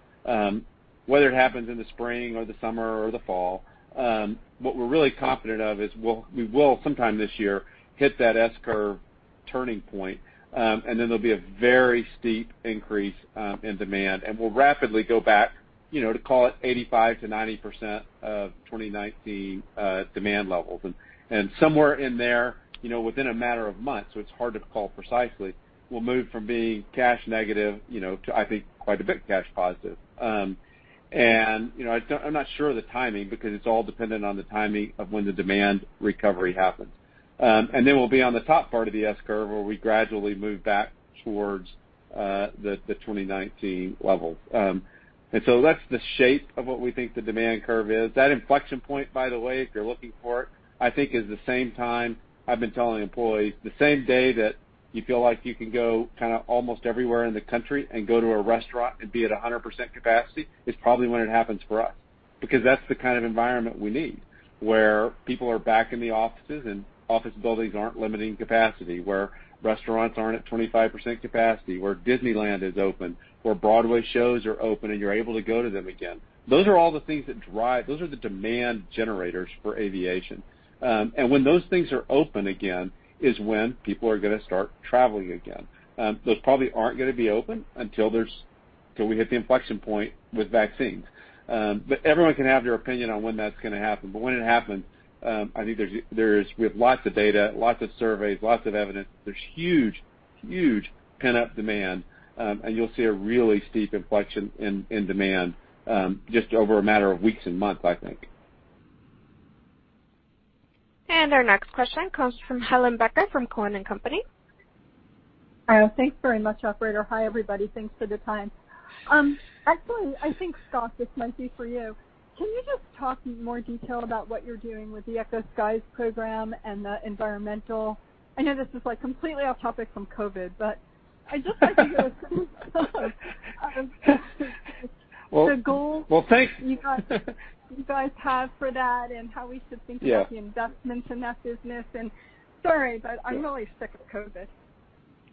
whether it happens in the spring or the summer or the fall, what we're really confident of is we will, sometime this year, hit that S curve turning point, and then there'll be a very steep increase in demand. We'll rapidly go back to, call it, 85%-90% of 2019 demand levels. Somewhere in there, within a matter of months, so it's hard to call precisely, we'll move from being cash negative, to, I think, quite a bit cash positive. I'm not sure of the timing, because it's all dependent on the timing of when the demand recovery happens. Then we'll be on the top part of the S curve, where we gradually move back towards the 2019 levels. That's the shape of what we think the demand curve is. That inflection point, by the way, if you're looking for it, I think is the same time I've been telling employees, the same day that you feel like you can go kind of almost everywhere in the country and go to a restaurant and be at 100% capacity is probably when it happens for us. That's the kind of environment we need, where people are back in the offices and office buildings aren't limiting capacity, where restaurants aren't at 25% capacity, where Disneyland is open, where Broadway shows are open and you're able to go to them again. Those are all the things that those are the demand generators for aviation. When those things are open again is when people are going to start traveling again. Those probably aren't going to be open until we hit the inflection point with vaccines. Everyone can have their opinion on when that's going to happen. When it happens, I think we have lots of data, lots of surveys, lots of evidence. There's huge pent-up demand, and you'll see a really steep inflection in demand just over a matter of weeks and months, I think. Our next question comes from Helane Becker from Cowen and Company. Thanks very much, operator. Hi, everybody. Thanks for the time. Actually, I think, Scott, this might be for you. Can you just talk in more detail about what you're doing with the Eco-Skies program and the environmental? I know this is completely off topic from COVID. Well, thanks. You guys have for that and how we should think about. Yeah the investments in that business and sorry, but I'm really sick of COVID.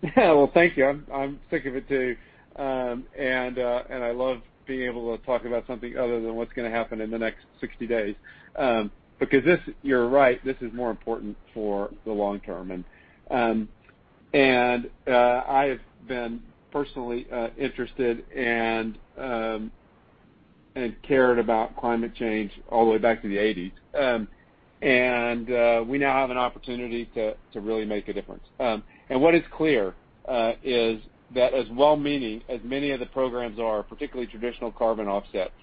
Yeah. Well, thank you. I'm sick of it, too. I love being able to talk about something other than what's going to happen in the next 60 days. Because you're right, this is more important for the long term. I have been personally interested and cared about climate change all the way back to the '80s. We now have an opportunity to really make a difference. What is clear is that as well-meaning as many of the programs are, particularly traditional carbon offsets,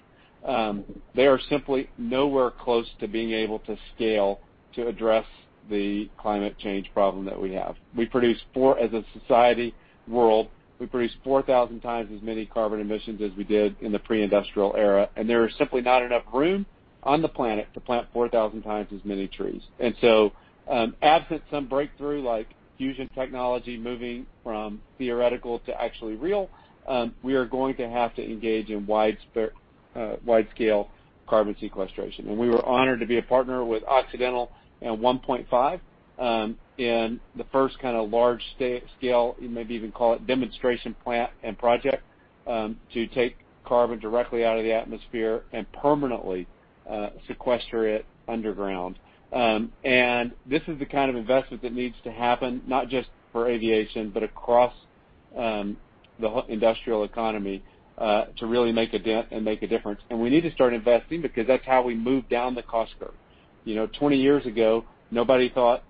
they are simply nowhere close to being able to scale to address the climate change problem that we have. As a society, world, we produce 4,000 times as many carbon emissions as we did in the pre-industrial era, and there is simply not enough room on the planet to plant 4,000 times as many trees. Absent some breakthrough like fusion technology moving from theoretical to actually real, we are going to have to engage in widescale carbon sequestration. We were honored to be a partner with Occidental and 1PointFive in the first kind of large-scale, you maybe even call it demonstration plant and project, to take carbon directly out of the atmosphere and permanently sequester it underground. This is the kind of investment that needs to happen, not just for aviation, but across the industrial economy, to really make a dent and make a difference. We need to start investing because that's how we move down the cost curve. 20 years ago, nobody thought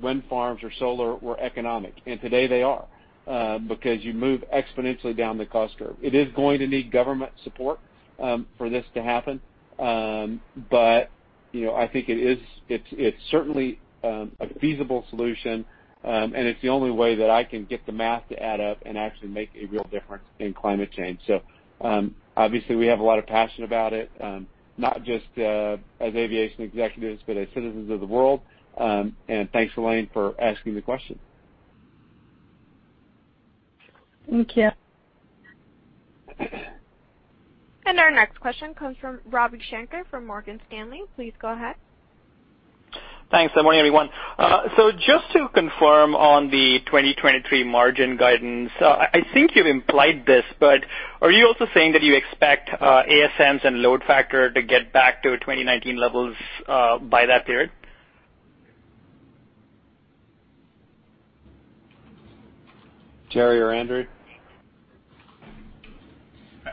wind farms or solar were economic, and today they are, because you move exponentially down the cost curve. It is going to need government support for this to happen, I think it's certainly a feasible solution, and it's the only way that I can get the math to add up and actually make a real difference in climate change. Obviously we have a lot of passion about it, not just as aviation executives, but as citizens of the world. Thanks, Helane, for asking the question. Thank you. Our next question comes from Ravi Shanker from Morgan Stanley. Please go ahead. Thanks. Good morning, everyone. Just to confirm on the 2023 margin guidance, I think you've implied this, but are you also saying that you expect ASMs and load factor to get back to 2019 levels by that period? Gerry or Andrew?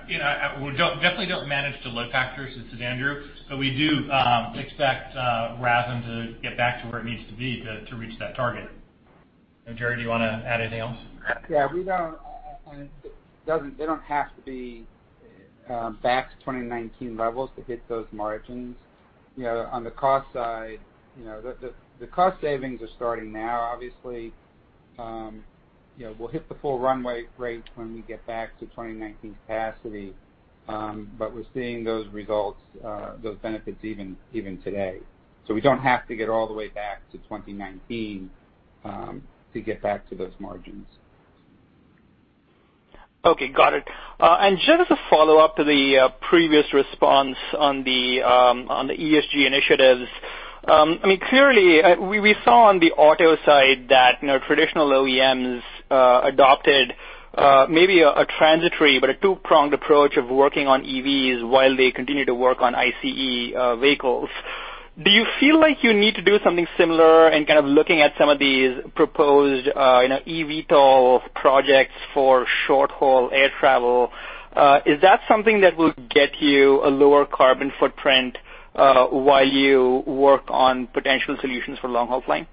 We definitely don't manage the load factors. This is Andrew. We do expect RASM to get back to where it needs to be to reach that target. Gerry, do you want to add anything else? Yeah. They don't have to be back to 2019 levels to hit those margins. On the cost side, the cost savings are starting now. Obviously, we'll hit the full runway rate when we get back to 2019 capacity, but we're seeing those results, those benefits even today. We don't have to get all the way back to 2019 to get back to those margins. Okay, got it. Just as a follow-up to the previous response on the ESG initiatives, clearly, we saw on the auto side that traditional OEMs adopted maybe a transitory but a two-pronged approach of working on EVs while they continue to work on ICE vehicles. Do you feel like you need to do something similar in kind of looking at some of these proposed eVTOL projects for short-haul air travel? Is that something that will get you a lower carbon footprint while you work on potential solutions for long-haul flying?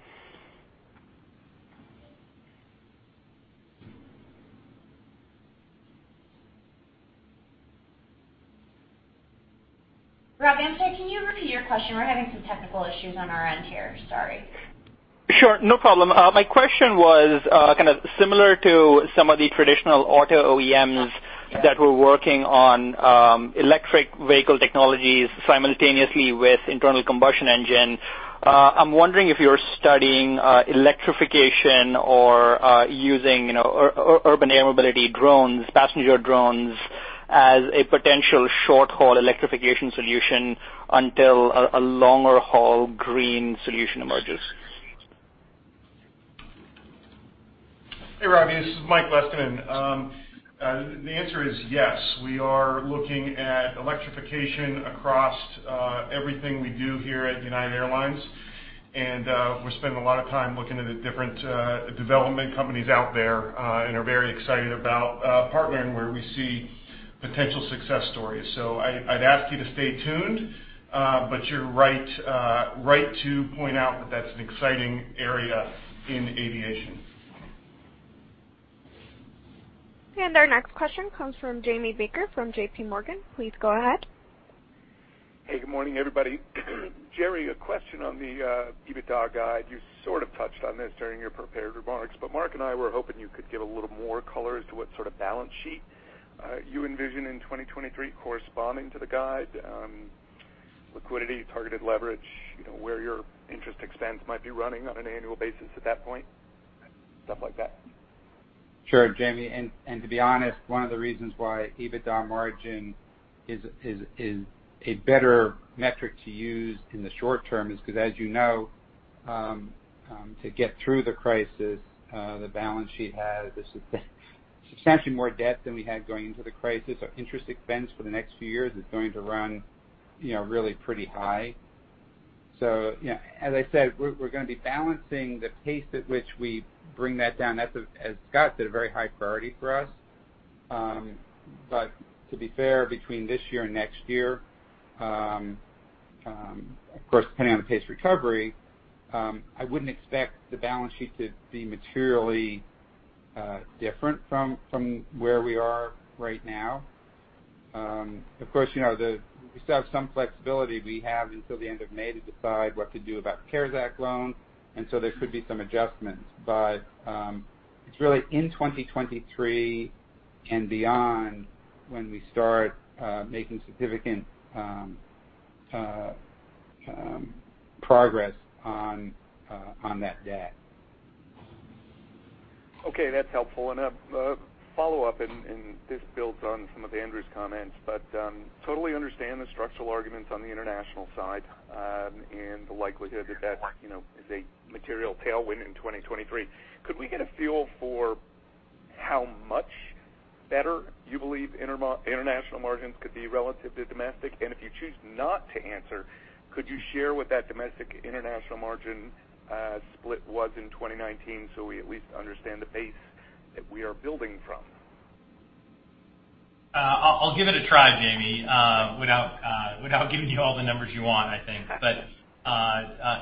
Ravi Shanker, can you repeat your question? We're having some technical issues on our end here. Sorry. Sure, no problem. My question was kind of similar to some of the traditional auto OEMs that were working on electric vehicle technologies simultaneously with internal combustion engine. I'm wondering if you're studying electrification or using urban air mobility drones, passenger drones, as a potential short-haul electrification solution until a longer-haul green solution emerges. Hey, Ravi, this is Mike Leskinen. The answer is yes. We are looking at electrification across everything we do here at United Airlines, and we spend a lot of time looking at the different development companies out there and are very excited about partnering where we see potential success stories. I'd ask you to stay tuned, but you're right to point out that that's an exciting area in aviation. Our next question comes from Jamie Baker from JPMorgan. Please go ahead. Hey, good morning, everybody. Gerry, a question on the EBITDA guide. You sort of touched on this during your prepared remarks, but Mark and I were hoping you could give a little more color as to what sort of balance sheet you envision in 2023 corresponding to the guide. Liquidity, targeted leverage, where your interest expense might be running on an annual basis at that point, stuff like that. Sure, Jamie. To be honest, one of the reasons why EBITDA margin is a better metric to use in the short term is because as you know, to get through the crisis, the balance sheet has substantially more debt than we had going into the crisis. Our interest expense for the next few years is going to run really pretty high. As I said, we're going to be balancing the pace at which we bring that down. That's, as Scott said, a very high priority for us. To be fair, between this year and next year, of course, depending on the pace of recovery, I wouldn't expect the balance sheet to be materially different from where we are right now. Of course, we still have some flexibility. We have until the end of May to decide what to do about the CARES Act loans, and so there could be some adjustments. It's really in 2023 and beyond when we start making significant progress on that debt. Okay, that's helpful. A follow-up, and this builds on some of Andrew's comments, but totally understand the structural arguments on the international side and the likelihood that is a material tailwind in 2023. Could we get a feel for how much better you believe international margins could be relative to domestic? If you choose not to answer, could you share what that domestic-international margin split was in 2019 so we at least understand the base that we are building from? I'll give it a try, Jamie, without giving you all the numbers you want, I think.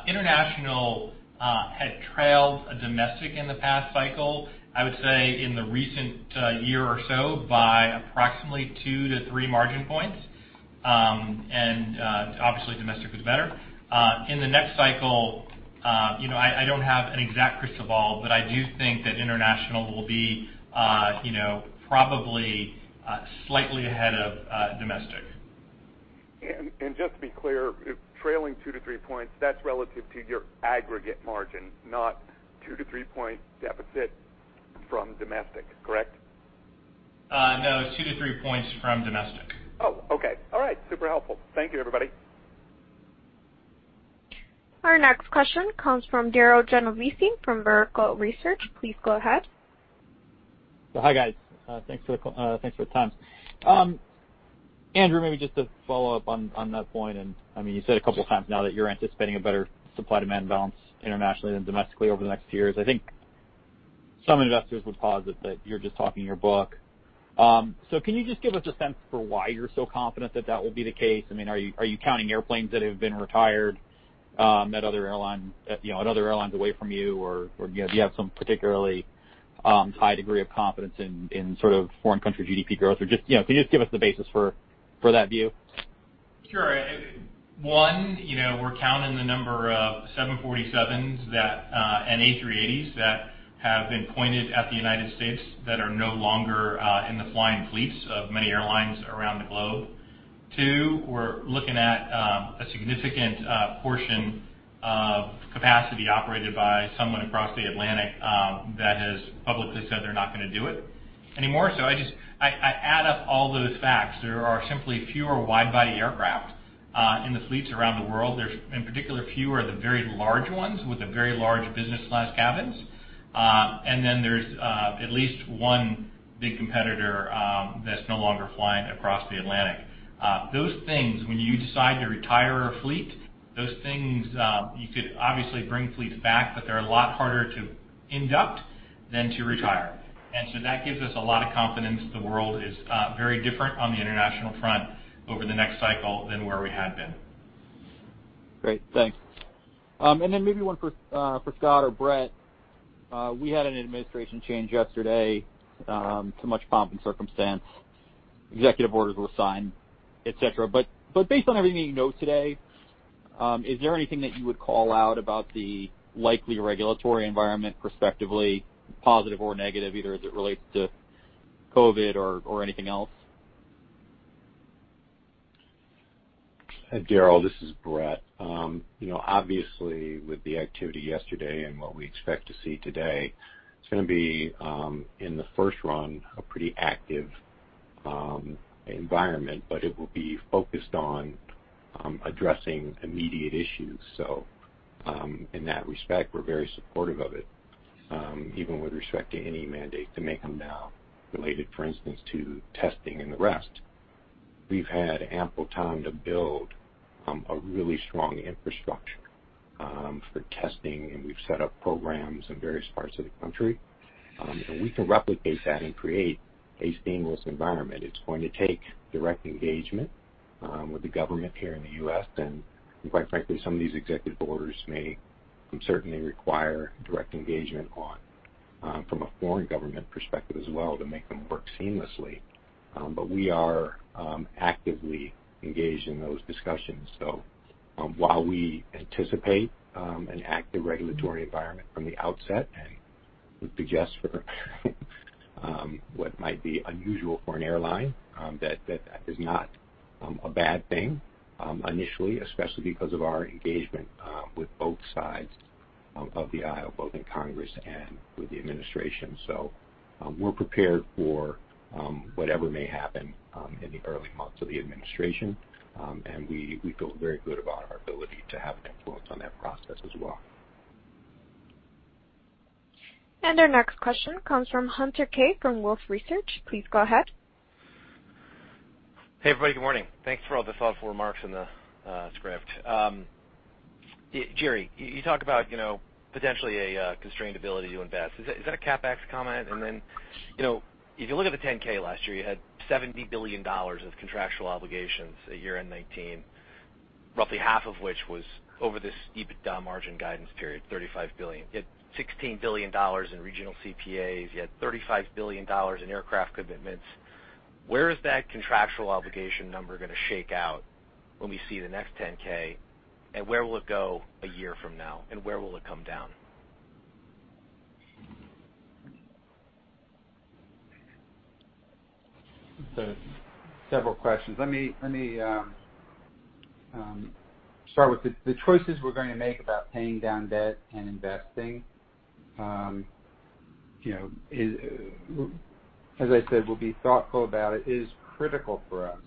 International had trailed domestic in the past cycle, I would say in the recent year or so, by approximately two to three margin points. Obviously domestic was better. In the next cycle, I don't have an exact crystal ball, but I do think that international will be probably slightly ahead of domestic. Just to be clear, trailing two to three points, that's relative to your aggregate margin, not two to three points deficit from domestic, correct? Two to three points from domestic. Oh, okay. All right. Super helpful. Thank you, everybody. Our next question comes from Darryl Genovesi from Vertical Research. Please go ahead. Hi, guys. Thanks for the time. Andrew, maybe just to follow up on that point, you said a couple of times now that you're anticipating a better supply-demand balance internationally than domestically over the next few years. I think some investors would posit that you're just talking your book. Can you just give us a sense for why you're so confident that that will be the case? Are you counting airplanes that have been retired at other airlines away from you, or do you have some particularly high degree of confidence in foreign country GDP growth? Can you just give us the basis for that view? Sure. One, we're counting the number of 747s and A380s that have been pointed at the United States that are no longer in the flying fleets of many airlines around the globe. Two, we're looking at a significant portion of capacity operated by someone across the Atlantic that has publicly said they're not going to do it anymore. I add up all those facts. There are simply fewer wide-body aircraft in the fleets around the world. There's, in particular, fewer of the very large ones with the very large business-class cabins. There's at least one big competitor that's no longer flying across the Atlantic. Those things, when you decide to retire a fleet, those things, you could obviously bring fleets back, but they're a lot harder to induct than to retire. That gives us a lot of confidence that the world is very different on the international front over the next cycle than where we had been. Great, thanks. Maybe one for Scott or Brett. We had an Administration change yesterday to much pomp and circumstance. Executive orders were signed, et cetera. Based on everything you know today, is there anything that you would call out about the likely regulatory environment prospectively, positive or negative, either as it relates to COVID or anything else? Darryl, this is Brett. With the activity yesterday and what we expect to see today, it's going to be, in the first run, a pretty active environment, but it will be focused on addressing immediate issues. In that respect, we're very supportive of it, even with respect to any mandate to make them now related, for instance, to testing and the rest. We've had ample time to build a really strong infrastructure for testing, and we've set up programs in various parts of the country. We can replicate that and create a seamless environment. It's going to take direct engagement with the government here in the U.S., quite frankly, some of these executive orders may certainly require direct engagement from a foreign government perspective as well to make them work seamlessly. We are actively engaged in those discussions. While we anticipate an active regulatory environment from the outset, and would suggest for what might be unusual for an airline, that is not a bad thing initially, especially because of our engagement with both sides of the aisle, both in Congress and with the administration. We're prepared for whatever may happen in the early months of the administration, and we feel very good about our ability to have influence on that process as well. Our next question comes from Hunter Keay from Wolfe Research. Please go ahead. Hey, everybody. Good morning. Thanks for all the thoughtful remarks in the script. Gerry, you talk about potentially a constrained ability to invest. Is that a CapEx comment? If you look at the 10-K last year, you had $70 billion of contractual obligations at year-end 2019, roughly half of which was over this EBITDA margin guidance period, $35 billion. You had $16 billion in regional CPAs. You had $35 billion in aircraft commitments. Where is that contractual obligation number going to shake out when we see the next 10-K, and where will it go a year from now, and where will it come down? Several questions. Let me start with the choices we're going to make about paying down debt and investing. As I said, we'll be thoughtful about it. It is critical for us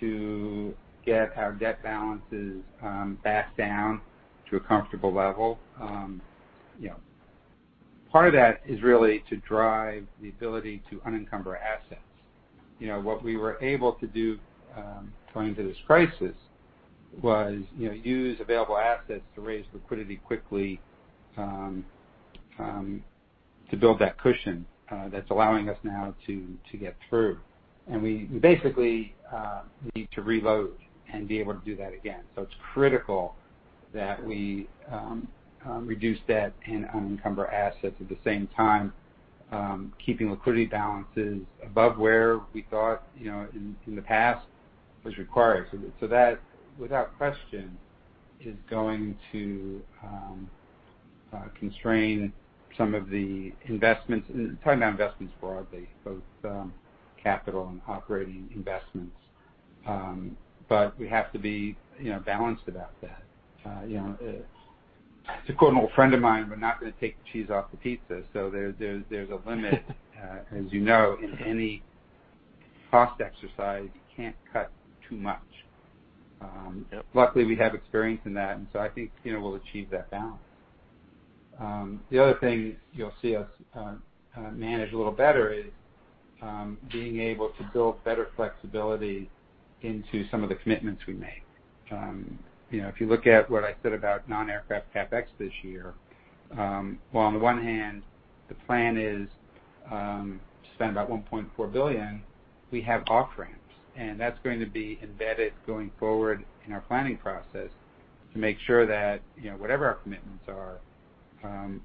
to get our debt balances back down to a comfortable level. Part of that is really to drive the ability to unencumber assets. What we were able to do going into this crisis was use available assets to raise liquidity quickly to build that cushion that's allowing us now to get through. We basically need to reload and be able to do that again. It's critical that we reduce debt and unencumber assets, at the same time, keeping liquidity balances above where we thought in the past was required. That, without question, is going to constrain some of the investments. Talking about investments broadly, both capital and operating investments. We have to be balanced about that. To quote an old friend of mine, "We're not going to take the cheese off the pizza." There's a limit- as you know, in any cost exercise, you can't cut too much. Yep. Luckily, we have experience in that. I think we'll achieve that balance. The other thing you'll see us manage a little better is being able to build better flexibility into some of the commitments we make. If you look at what I said about non-aircraft CapEx this year, while on the one hand, the plan is to spend about $1.4 billion, we have off-ramps, and that's going to be embedded going forward in our planning process to make sure that, whatever our commitments are,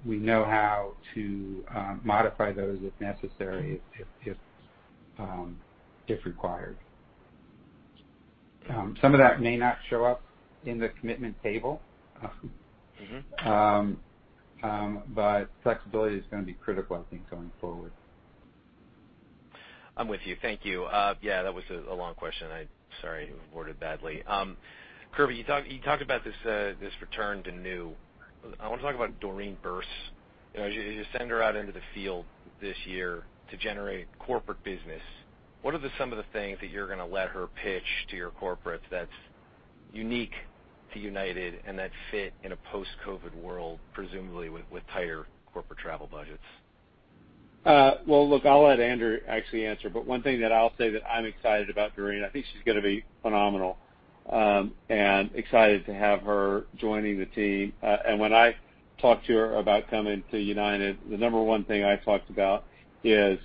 we know how to modify those if necessary, if required. Some of that may not show up in the commitment table. Flexibility is going to be critical, I think, going forward. I'm with you. Thank you. Yeah, that was a long question. Sorry, I worded it badly. Kirby, you talked about this return to new. I want to talk about Doreen Burse. As you send her out into the field this year to generate corporate business, what are some of the things that you're going to let her pitch to your corporates that's unique to United and that fit in a post-COVID world, presumably with tighter corporate travel budgets? Well, look, I'll let Andrew actually answer, but one thing that I'll say that I'm excited about Doreen, I think she's going to be phenomenal. Excited to have her joining the team. When I talked to her about coming to United, the number one thing I talked about is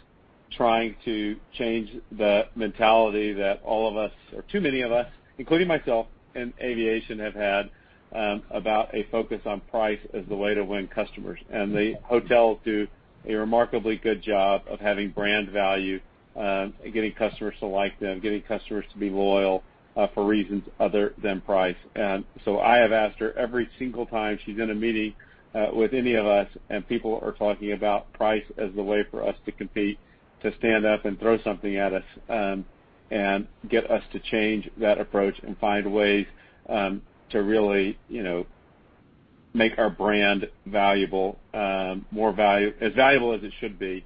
trying to change the mentality that all of us, or too many of us, including myself in aviation, have had about a focus on price as the way to win customers. The hotels do a remarkably good job of having brand value and getting customers to like them, getting customers to be loyal for reasons other than price. I have asked her every single time she's in a meeting with any of us, and people are talking about price as the way for us to compete, to stand up and throw something at us, and get us to change that approach and find ways to really make our brand as valuable as it should be.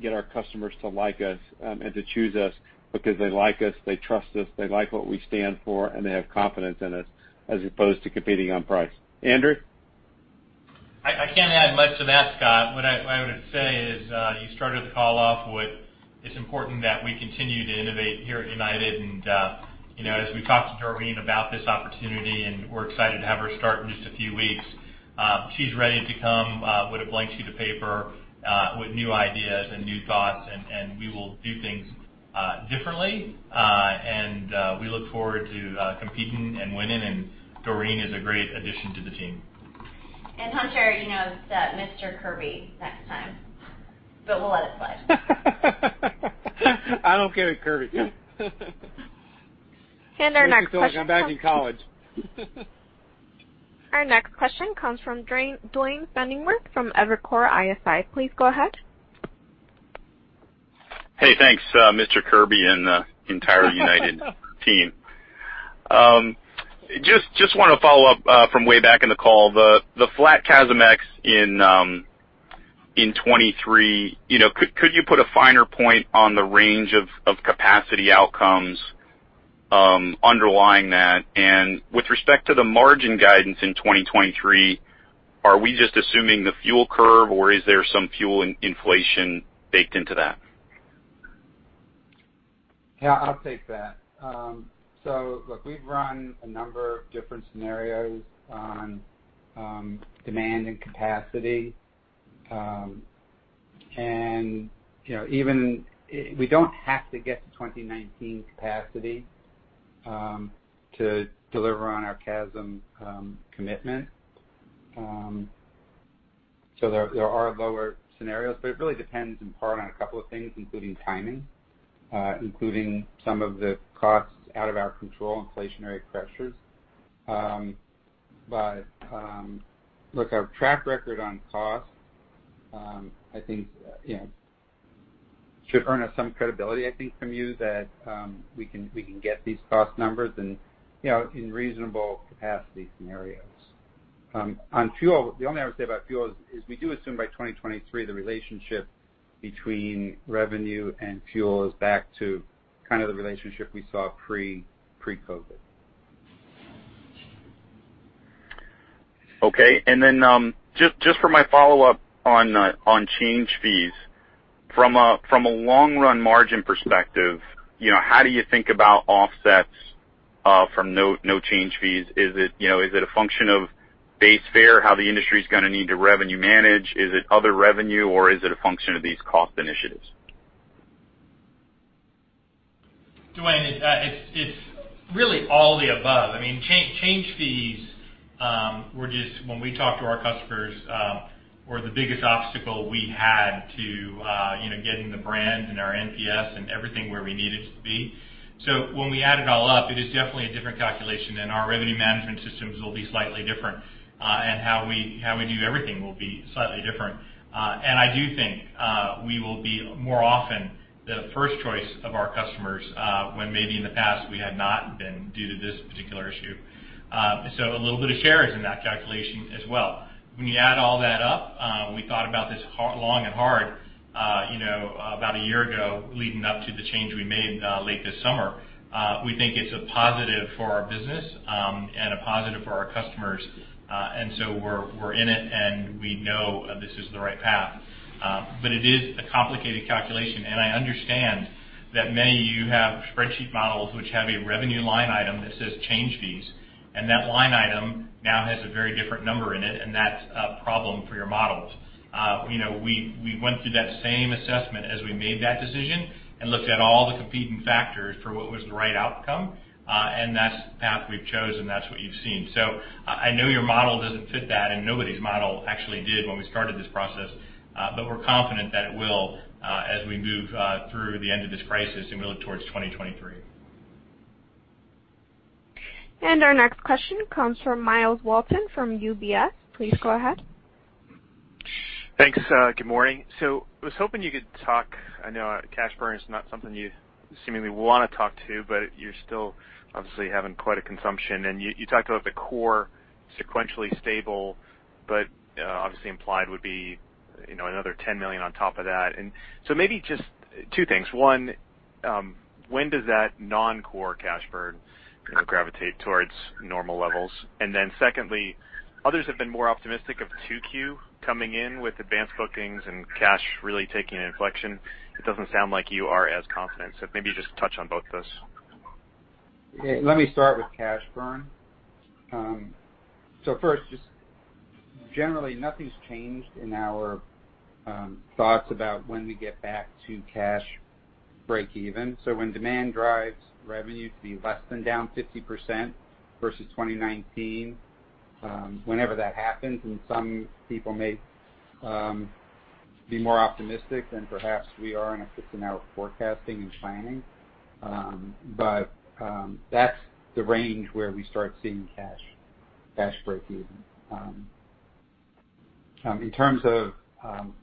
Get our customers to like us and to choose us because they like us, they trust us, they like what we stand for, and they have confidence in us as opposed to competing on price. Andrew? I can't add much to that, Scott. What I would say is, you started the call off with, it's important that we continue to innovate here at United. As we talked to Doreen about this opportunity, and we're excited to have her start in just a few weeks, she's ready to come with a blank sheet of paper, with new ideas and new thoughts, and we will do things differently. We look forward to competing and winning, and Doreen is a great addition to the team. Hunter, you know it's Mr. Kirby next time. We'll let it slide. I don't care. Kirby. And our next question- Makes me feel like I'm back in college. Our next question comes from Duane Pfennigwerth from Evercore ISI. Please go ahead. Hey, thanks, Mr. Kirby and the entire United team. Just want to follow up from way back in the call, the flat CASM ex in 2023. Could you put a finer point on the range of capacity outcomes underlying that? With respect to the margin guidance in 2023, are we just assuming the fuel curve, or is there some fuel inflation baked into that? Yeah, I'll take that. Look, we've run a number of different scenarios on demand and capacity. We don't have to get to 2019 capacity to deliver on our CASM commitment. There are lower scenarios, but it really depends in part on a couple of things, including timing, including some of the costs out of our control, inflationary pressures. Look, our track record on cost, I think, should earn us some credibility, I think, from you that we can get these cost numbers and in reasonable capacity scenarios. On fuel, the only thing I would say about fuel is we do assume by 2023, the relationship between revenue and fuel is back to kind of the relationship we saw pre-COVID. Okay. Just for my follow-up on change fees. From a long-run margin perspective, how do you think about offsets from no change fees? Is it a function of base fare, how the industry's going to need to revenue manage? Is it other revenue, or is it a function of these cost initiatives? Duane, it's really all the above. Change fees were just, when we talked to our customers, were the biggest obstacle we had to getting the brand and our NPS and everything where we needed to be. When we add it all up, it is definitely a different calculation, and our revenue management systems will be slightly different. How we do everything will be slightly different. I do think we will be more often the first choice of our customers when maybe in the past we had not been due to this particular issue. A little bit of share is in that calculation as well. When you add all that up, we thought about this long and hard about a year ago leading up to the change we made late this summer. We think it's a positive for our business and a positive for our customers. We're in it, and we know this is the right path. It is a complicated calculation, and I understand that many of you have spreadsheet models which have a revenue line item that says change fees, and that line item now has a very different number in it, and that's a problem for your models. We went through that same assessment as we made that decision and looked at all the competing factors for what was the right outcome, and that's the path we've chosen. That's what you've seen. I know your model doesn't fit that, and nobody's model actually did when we started this process. We're confident that it will as we move through the end of this crisis and we look towards 2023. Our next question comes from Myles Walton from UBS. Please go ahead. Thanks. Good morning. I was hoping you could talk. I know cash burn is not something you seemingly want to talk to, but you're still obviously having quite a consumption. You talked about the core sequentially stable, but obviously implied would be another $10 million on top of that. Maybe just two things. One, when does that non-core cash burn kind of gravitate towards normal levels? Secondly, others have been more optimistic of 2Q coming in with advanced bookings and cash really taking an inflection. It doesn't sound like you are as confident. Maybe just touch on both of those. Let me start with cash burn. First, just generally, nothing's changed in our thoughts about when we get back to cash breakeven. When demand drives revenue to be less than down 50% versus 2019, whenever that happens, and some people may be more optimistic than perhaps we are in our forecasting and planning. That's the range where we start seeing cash breakeven. In terms of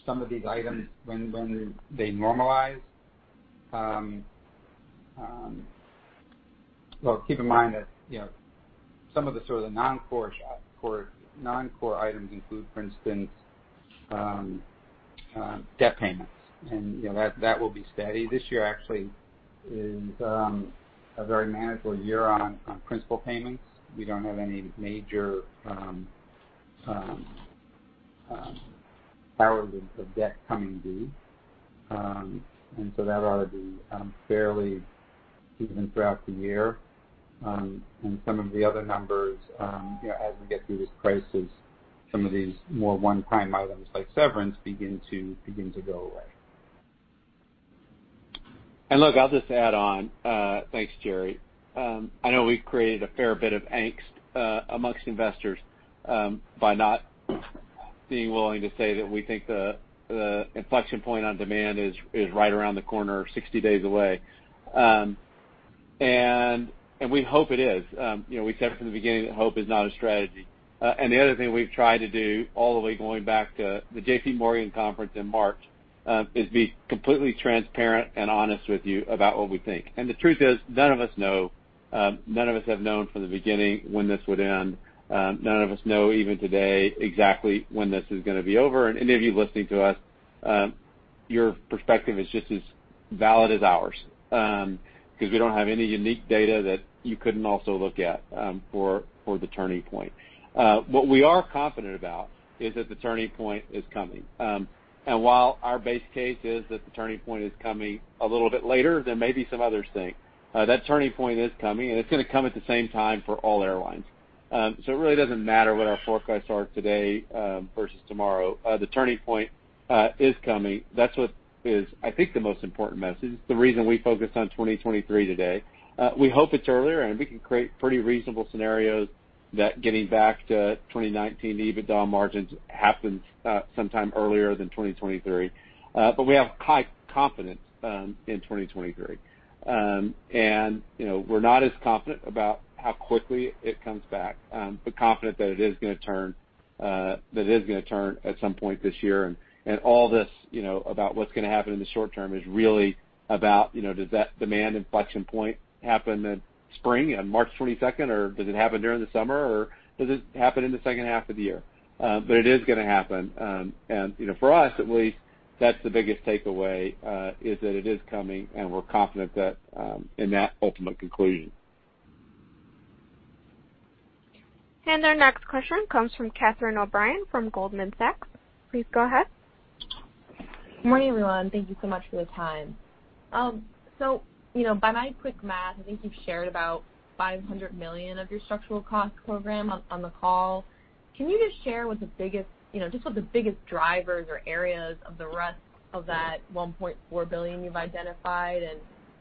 some of these items when they normalize, well, keep in mind that some of the sort of non-core items include, for instance, debt payments, and that will be steady. This year actually is a very manageable year on principal payments. We don't have any major power bills of debt coming due. That ought to be fairly even throughout the year. Some of the other numbers, as we get through this crisis, some of these more one-time items like severance begin to go away. Look, I'll just add on. Thanks, Gerry. I know we've created a fair bit of angst amongst investors by not being willing to say that we think the inflection point on demand is right around the corner or 60 days away. We hope it is. We said from the beginning that hope is not a strategy. The other thing we've tried to do all the way going back to the JPMorgan conference in March, is be completely transparent and honest with you about what we think. The truth is, none of us know. None of us have known from the beginning when this would end. None of us know even today exactly when this is going to be over. Any of you listening to us, your perspective is just as valid as ours because we don't have any unique data that you couldn't also look at for the turning point. What we are confident about is that the turning point is coming. While our base case is that the turning point is coming a little bit later than maybe some others think, that turning point is coming, and it's going to come at the same time for all airlines. It really doesn't matter what our forecasts are today versus tomorrow. The turning point is coming. That's what is, I think, the most important message. It's the reason we focused on 2023 today. We hope it's earlier, and we can create pretty reasonable scenarios that getting back to 2019 EBITDA margins happens sometime earlier than 2023. We have high confidence in 2023. We're not as confident about how quickly it comes back, but confident that it is going to turn at some point this year. All this about what's going to happen in the short term is really about does that demand inflection point happen in spring on March 22nd, or does it happen during the summer, or does it happen in the second half of the year? It is going to happen. For us at least, that's the biggest takeaway is that it is coming and we're confident in that ultimate conclusion. Our next question comes from Catherine O'Brien from Goldman Sachs. Please go ahead. Good morning, everyone. Thank you so much for the time. By my quick math, I think you've shared about $500 million of your Structural Cost Program on the call. Can you just share what the biggest drivers or areas of the rest of that $1.4 billion you've identified,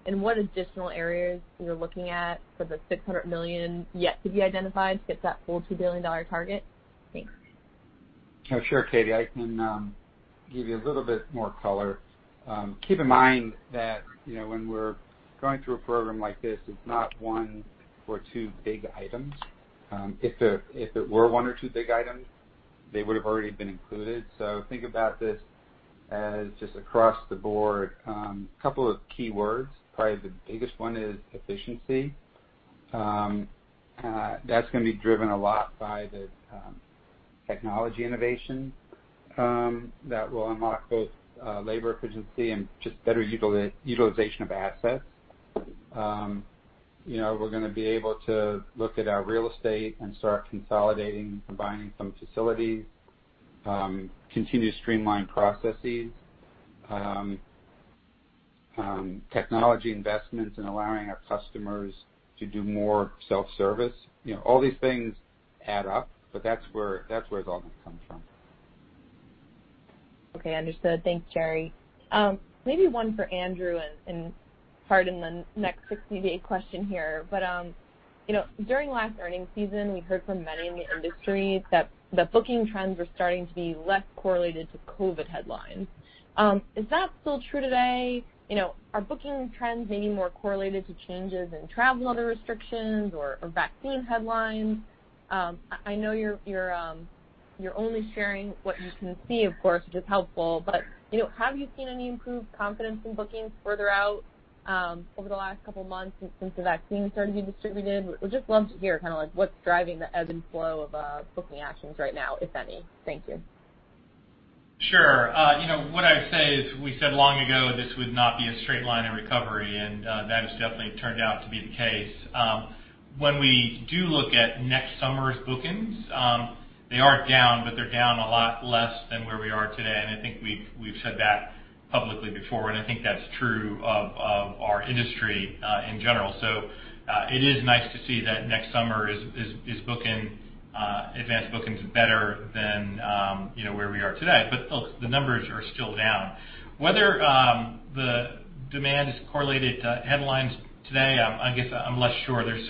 and what additional areas you're looking at for the $600 million yet to be identified to hit that full $2 billion target? Thanks. Oh, sure, Katie, I can give you a little bit more color. Keep in mind that when we're going through a program like this, it's not one or two big items. If it were one or two big items, they would've already been included. Think about this as just across the board. Couple of keywords, probably the biggest one is efficiency. That's going to be driven a lot by the technology innovation that will unlock both labor efficiency and just better utilization of assets. We're going to be able to look at our real estate and start consolidating, combining some facilities, continue to streamline processes, technology investments in allowing our customers to do more self-service. All these things add up. That's where it's all going to come from. Okay, understood. Thanks, Gerry. Maybe one for Andrew, and pardon the next 60-day question here, but during last earning season, we heard from many in the industry that the booking trends were starting to be less correlated to COVID-19 headlines. Is that still true today? Are booking trends maybe more correlated to changes in travel, other restrictions, or vaccine headlines? I know you're only sharing what you can see, of course, which is helpful, but have you seen any improved confidence in bookings further out over the last couple of months since the vaccine started to be distributed? Would just love to hear what's driving the ebb and flow of booking actions right now, if any. Thank you. Sure. What I'd say is we said long ago this would not be a straight line in recovery, and that has definitely turned out to be the case. When we do look at next summer's bookings, they are down, but they're down a lot less than where we are today, and I think we've said that publicly before, and I think that's true of our industry in general. It is nice to see that next summer is booking, advanced bookings, better than where we are today. Look, the numbers are still down. Whether the demand is correlated to headlines today, I guess I'm less sure. There's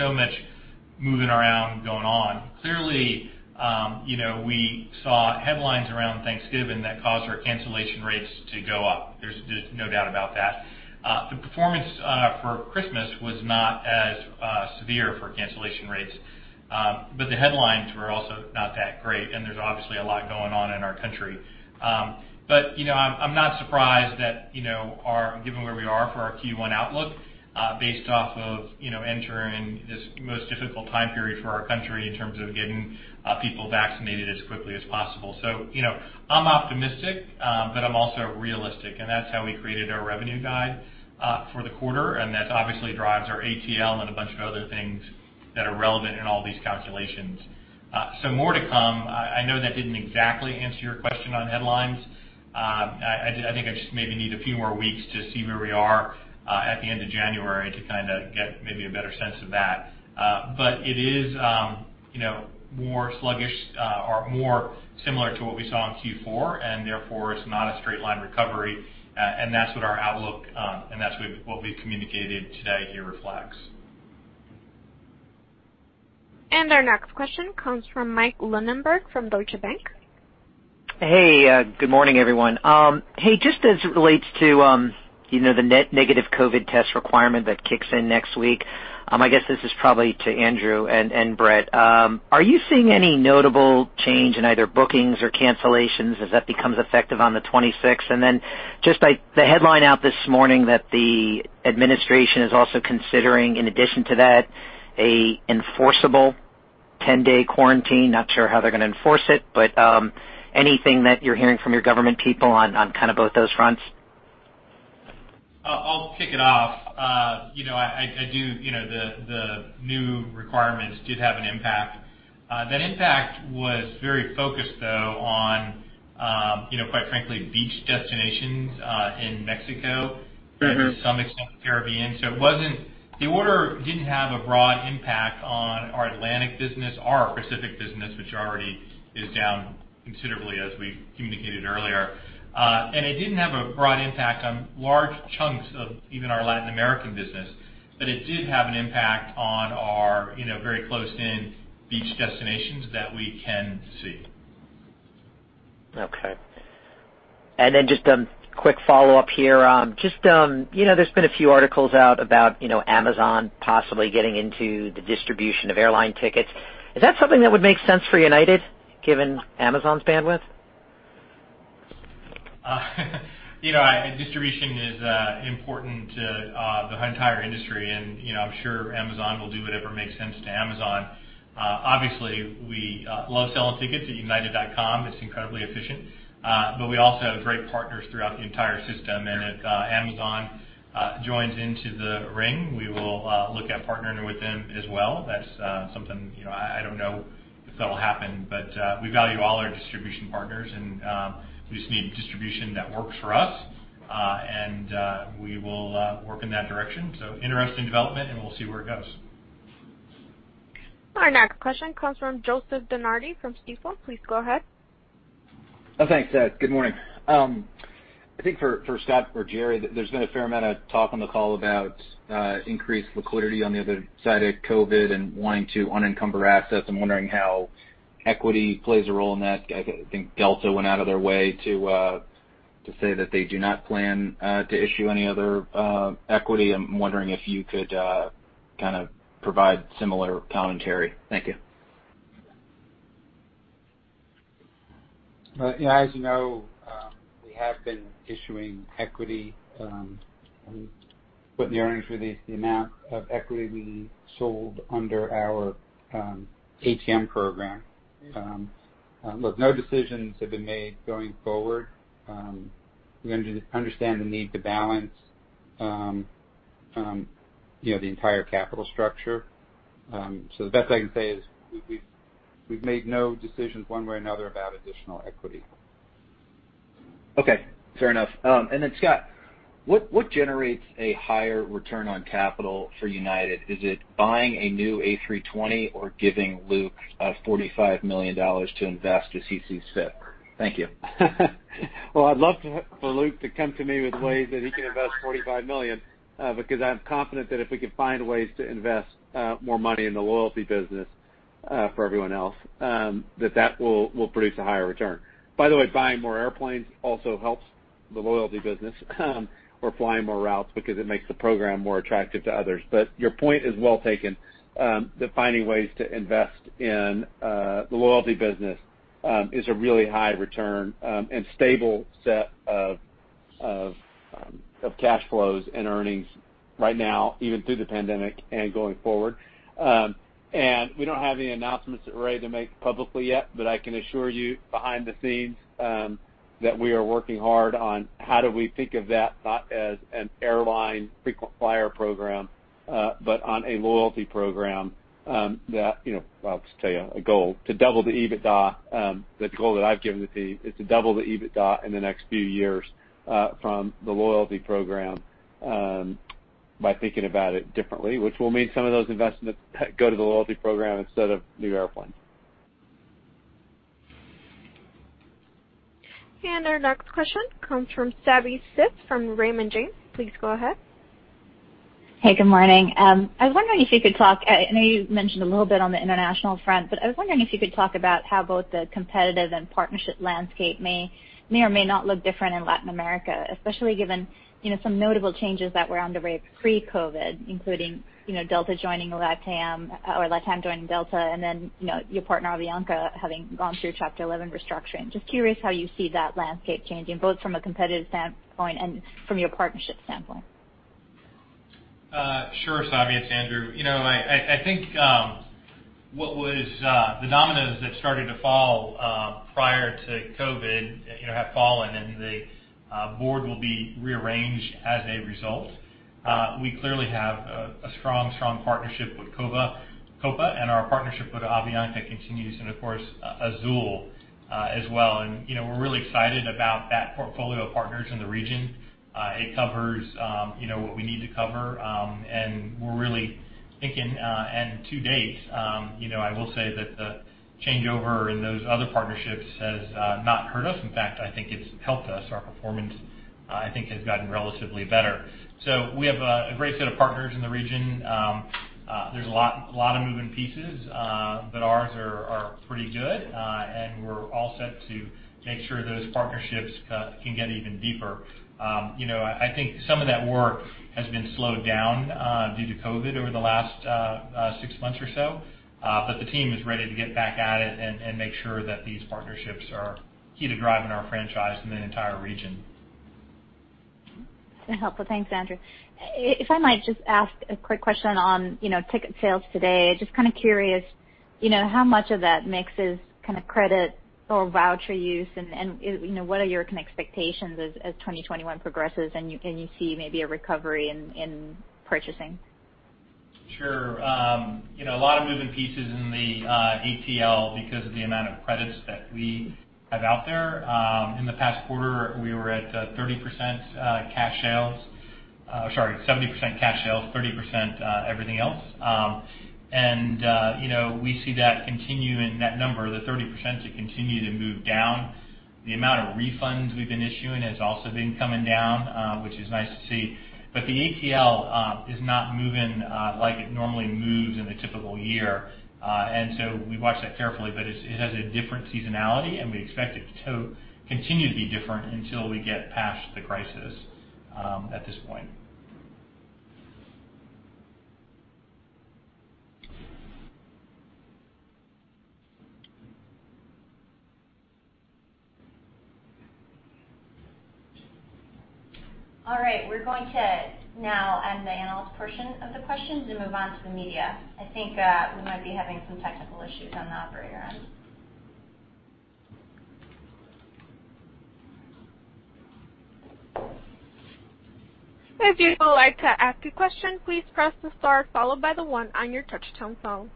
so much moving around going on. Clearly, we saw headlines around Thanksgiving that caused our cancellation rates to go up. There's no doubt about that. The performance for Christmas was not as severe for cancellation rates, but the headlines were also not that great, and there's obviously a lot going on in our country. I'm not surprised that given where we are for our Q1 outlook, based off of entering this most difficult time period for our country in terms of getting people vaccinated as quickly as possible. I'm optimistic, but I'm also realistic, and that obviously drives our ATL and a bunch of other things that are relevant in all these calculations. More to come. I know that didn't exactly answer your question on headlines. I think I just maybe need a few more weeks to see where we are at the end of January to kind of get maybe a better sense of that. It is more sluggish or more similar to what we saw in Q4, and therefore, it's not a straight line recovery, and that's what our outlook, and that's what we've communicated today here reflects. Our next question comes from Mike Linenberg from Deutsche Bank. Hey, good morning, everyone. Hey, just as it relates to the net negative COVID test requirement that kicks in next week, I guess this is probably to Andrew and Brett. Are you seeing any notable change in either bookings or cancellations as that becomes effective on the 26th? Just by the headline out this morning that the Administration is also considering, in addition to that, an enforceable 10-day quarantine, not sure how they're going to enforce it, but anything that you're hearing from your government people on kind of both those fronts? I'll kick it off. The new requirements did have an impact. That impact was very focused, though, on quite frankly, beach destinations in Mexico, and to some extent the Caribbean. The order didn't have a broad impact on our Atlantic business, our Pacific business, which already is down considerably as we communicated earlier. It didn't have a broad impact on large chunks of even our Latin American business. It did have an impact on our very close-in beach destinations that we can see. Okay. Just a quick follow-up here. There's been a few articles out about Amazon possibly getting into the distribution of airline tickets. Is that something that would make sense for United, given Amazon's bandwidth? Distribution is important to the entire industry, and I'm sure Amazon will do whatever makes sense to Amazon. Obviously, we love selling tickets at united.com. It's incredibly efficient. We also have great partners throughout the entire system. If Amazon joins into the ring, we will look at partnering with them as well. That's something I don't know if that'll happen, but we value all our distribution partners, and we just need distribution that works for us. We will work in that direction. Interesting development. We'll see where it goes. Our next question comes from Joseph DeNardi from Stifel. Please go ahead. Thanks. Good morning. I think for Scott or Gerry, there's been a fair amount of talk on the call about increased liquidity on the other side of COVID and wanting to unencumber assets. I'm wondering how equity plays a role in that. I think Delta went out of their way to say that they do not plan to issue any other equity. I'm wondering if you could kind of provide similar commentary. Thank you. As you know, we have been issuing equity. We put in the earnings release the amount of equity we sold under our ATM program. Look, no decisions have been made going forward. We understand the need to balance the entire capital structure. The best I can say is we've made no decisions one way or another about additional equity. Okay, fair enough. Scott, what generates a higher return on capital for United? Is it buying a new A320 or giving Luc $45 million to invest with C Spire? Thank you. I'd love for Luc to come to me with ways that he can invest $45 million because I'm confident that if we can find ways to invest more money in the loyalty business for everyone else, that will produce a higher return. By the way, buying more airplanes also helps the loyalty business or flying more routes because it makes the program more attractive to others. Your point is well taken, that finding ways to invest in the loyalty business is a really high return and stable set of cash flows and earnings right now, even through the pandemic and going forward. We don't have any announcements that we're ready to make publicly yet, but I can assure you behind the scenes that we are working hard on how do we think of that not as an airline frequent flyer program but on a loyalty program that, I'll just tell you a goal, to double the EBITDA. The goal that I've given the team is to double the EBITDA in the next few years from the loyalty program by thinking about it differently, which will mean some of those investments go to the loyalty program instead of new airplanes. Our next question comes from Savi Syth from Raymond James. Please go ahead. Hey, good morning. I was wondering if you could talk, I know you mentioned a little bit on the international front, but I was wondering if you could talk about how both the competitive and partnership landscape may or may not look different in Latin America. Especially given some notable changes that were underway pre-COVID, including Delta joining LATAM or LATAM joining Delta, and then your partner, Avianca, having gone through Chapter 11 restructuring. Just curious how you see that landscape changing, both from a competitive standpoint and from your partnership standpoint. Sure, Savi. It's Andrew. I think what was the dominoes that started to fall prior to COVID have fallen. The board will be rearranged as a result. We clearly have a strong partnership with Copa. Our partnership with Avianca continues and of course Azul as well. We're really excited about that portfolio of partners in the region. It covers what we need to cover. We're really thinking, to date I will say that the changeover in those other partnerships has not hurt us. In fact, I think it's helped us. Our performance, I think, has gotten relatively better. We have a great set of partners in the region. There's a lot of moving pieces. Ours are pretty good. We're all set to make sure those partnerships can get even deeper. I think some of that work has been slowed down due to COVID over the last six months or so. The team is ready to get back at it and make sure that these partnerships are key to driving our franchise in that entire region. That's helpful. Thanks, Andrew. If I might just ask a quick question on ticket sales today, just kind of curious, how much of that mix is kind of credit or voucher use and what are your kind of expectations as 2021 progresses and you see maybe a recovery in purchasing? Sure. A lot of moving pieces in the ATL because of the amount of credits that we have out there. In the past quarter, we were at 70% cash sales, 30% everything else. We see that continuing, that number, the 30% to continue to move down. The amount of refunds we've been issuing has also been coming down, which is nice to see. The ATL is not moving like it normally moves in a typical year. We watch that carefully, but it has a different seasonality, and we expect it to continue to be different until we get past the crisis at this point. All right. We're going to now end the analyst portion of the questions and move on to the media. I think we might be having some technical issues on the operator end. I apologize. To ask a question, please press star followed by the one on your touchtone phone.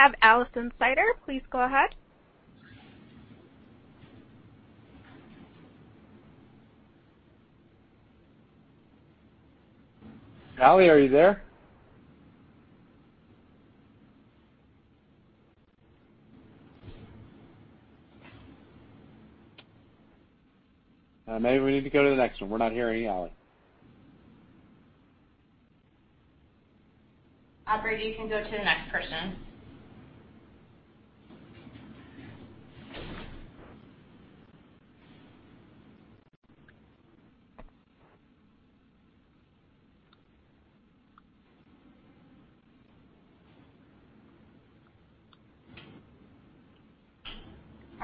We have Alison Sider. Please go ahead. Ally, are you there? Maybe we need to go to the next one. We're not hearing you, Ally. Operator, you can go to the next person.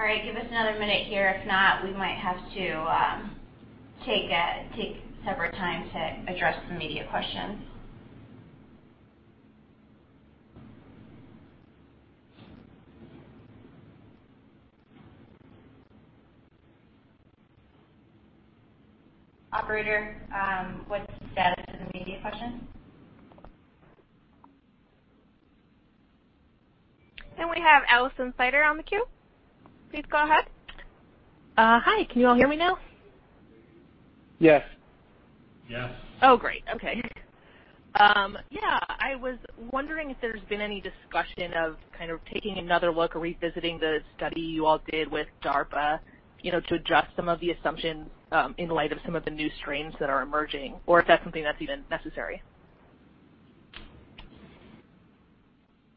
All right. Give us another minute here. If not, we might have to take separate time to address the media questions. Operator, what's the status of the media question? We have Alison Sider on the queue. Please go ahead. Hi, can you all hear me now? Yes. Yes. Oh, great. Okay. Yeah, I was wondering if there's been any discussion of kind of taking another look or revisiting the study you all did with DARPA to adjust some of the assumptions in light of some of the new strains that are emerging, or if that's something that's even necessary?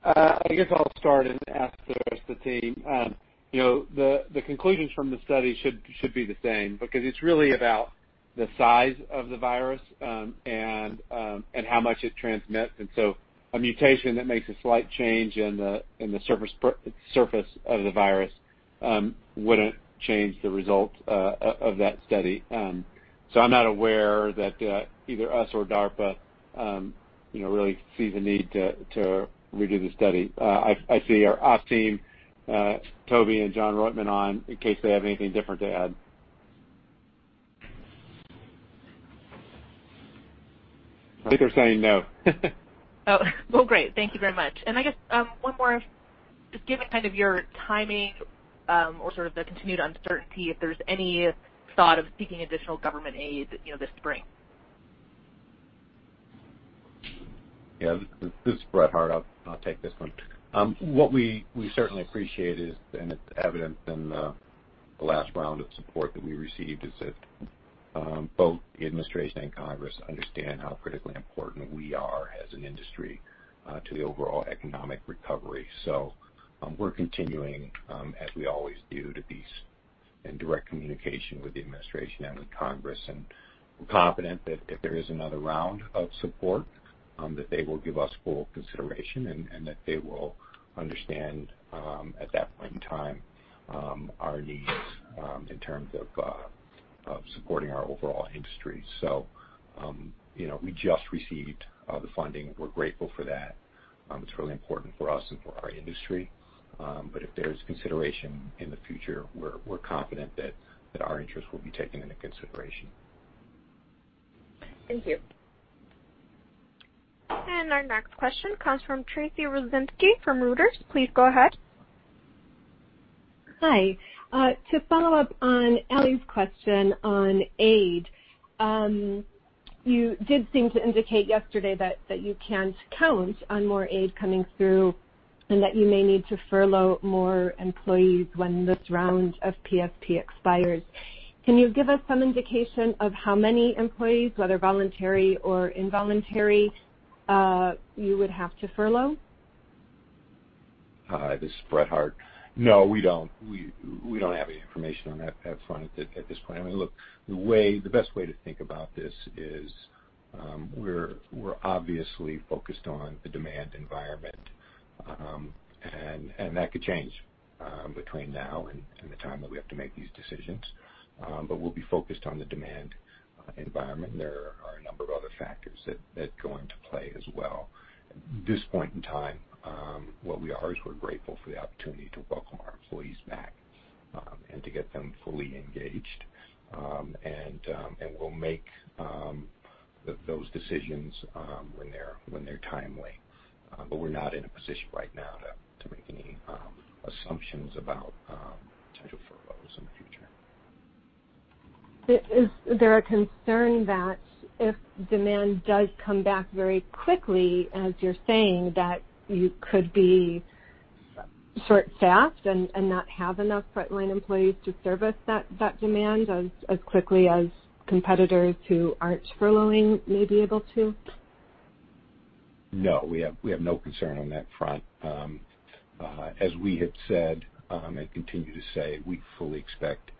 I guess I'll start and ask the rest of the team. The conclusions from the study should be the same because it's really about the size of the virus and how much it transmits. A mutation that makes a slight change in the surface of the virus wouldn't change the result of that study. I'm not aware that either us or DARPA really see the need to redo the study. I see our ops team, Toby and Jon Roitman on in case they have anything different to add. I think they're saying no. Well, great. Thank you very much. I guess one more. Just given kind of your timing or sort of the continued uncertainty, if there's any thought of seeking additional government aid this spring? Yeah, this is Brett Hart. I'll take this one. What we certainly appreciate is, and it's evident in the last round of support that we received, is that both the administration and Congress understand how critically important we are as an industry to the overall economic recovery. We're continuing, as we always do, to be in direct communication with the administration and with Congress, and we're confident that if there is another round of support, that they will give us full consideration and that they will understand at that point in time our needs in terms of supporting our overall industry. We just received the funding. We're grateful for that. It's really important for us and for our industry. If there's consideration in the future, we're confident that our interests will be taken into consideration. Thank you. Our next question comes from Tracy Rucinski from Reuters. Please go ahead. Hi. To follow up on Ally's question on aid, you did seem to indicate yesterday that you can't count on more aid coming through and that you may need to furlough more employees when this round of PSP expires. Can you give us some indication of how many employees, whether voluntary or involuntary, you would have to furlough? Hi, this is Brett Hart. No, we don't. We don't have any information on that front at this point. I mean, look, the best way to think about this is we're obviously focused on the demand environment. That could change between now and the time that we have to make these decisions. We'll be focused on the demand environment. There are a number of other factors that go into play as well. At this point in time, what we are is we're grateful for the opportunity to welcome our employees back and to get them fully engaged. We'll make those decisions when they're timely. We're not in a position right now to make any assumptions about Is there a concern that if demand does come back very quickly, as you're saying, that you could be short-staffed and not have enough frontline employees to service that demand as quickly as competitors who aren't furloughing may be able to? No, we have no concern on that front. As we have said and continue to say, we fully expect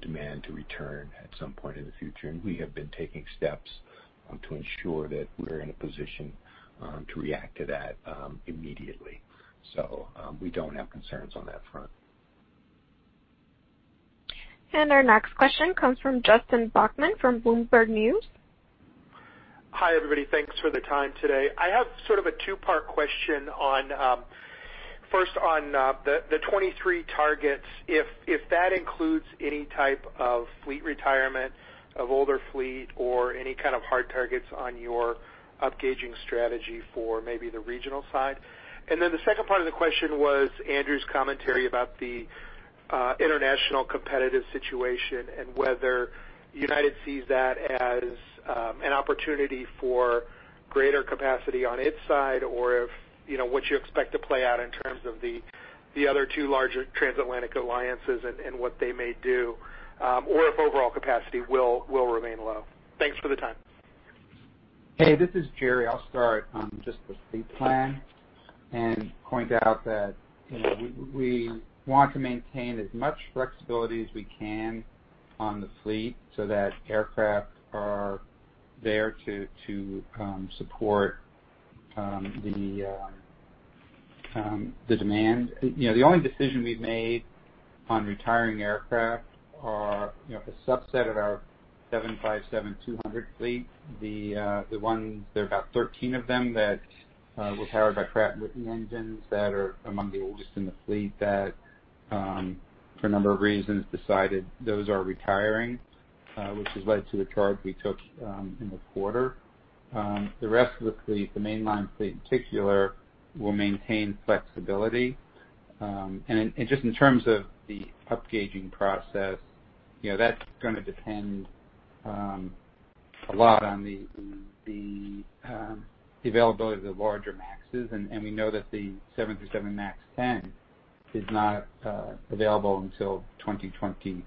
demand to return at some point in the future, and we have been taking steps to ensure that we're in a position to react to that immediately. We don't have concerns on that front. Our next question comes from Justin Bachman from Bloomberg News. Hi, everybody. Thanks for the time today. I have sort of a two-part question. First, on the 2023 targets, if that includes any type of fleet retirement of older fleet or any kind of hard targets on your upgauging strategy for maybe the regional side. The second part of the question was Andrew's commentary about the international competitive situation and whether United sees that as an opportunity for greater capacity on its side, or what you expect to play out in terms of the other two larger transatlantic alliances and what they may do. If overall capacity will remain low. Thanks for the time. Hey, this is Gerry. I'll start on just the fleet plan and point out that we want to maintain as much flexibility as we can on the fleet so that aircraft are there to support the demand. The only decision we've made on retiring aircraft are a subset of our 757-200 fleet. There are about 13 of them that were powered by Pratt & Whitney engines that are among the oldest in the fleet that, for a number of reasons, decided those are retiring, which has led to the charge we took in the quarter. The rest of the fleet, the mainline fleet in particular, will maintain flexibility. Just in terms of the upgauging process, that's going to depend a lot on the availability of the larger MAXs. We know that the 737 MAX 10 is not available until 2023.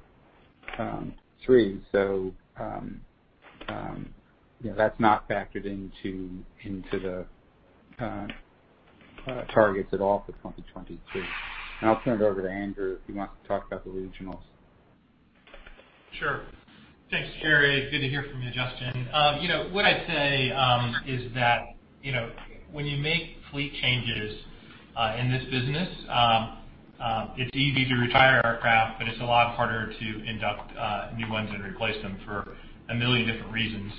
That's not factored into the targets at all for 2023. I'll turn it over to Andrew if he wants to talk about the regionals. Sure. Thanks, Gerry. Good to hear from you, Justin. What I'd say is that when you make fleet changes in this business, it's easy to retire aircraft, but it's a lot harder to induct new ones and replace them for 1 million different reasons.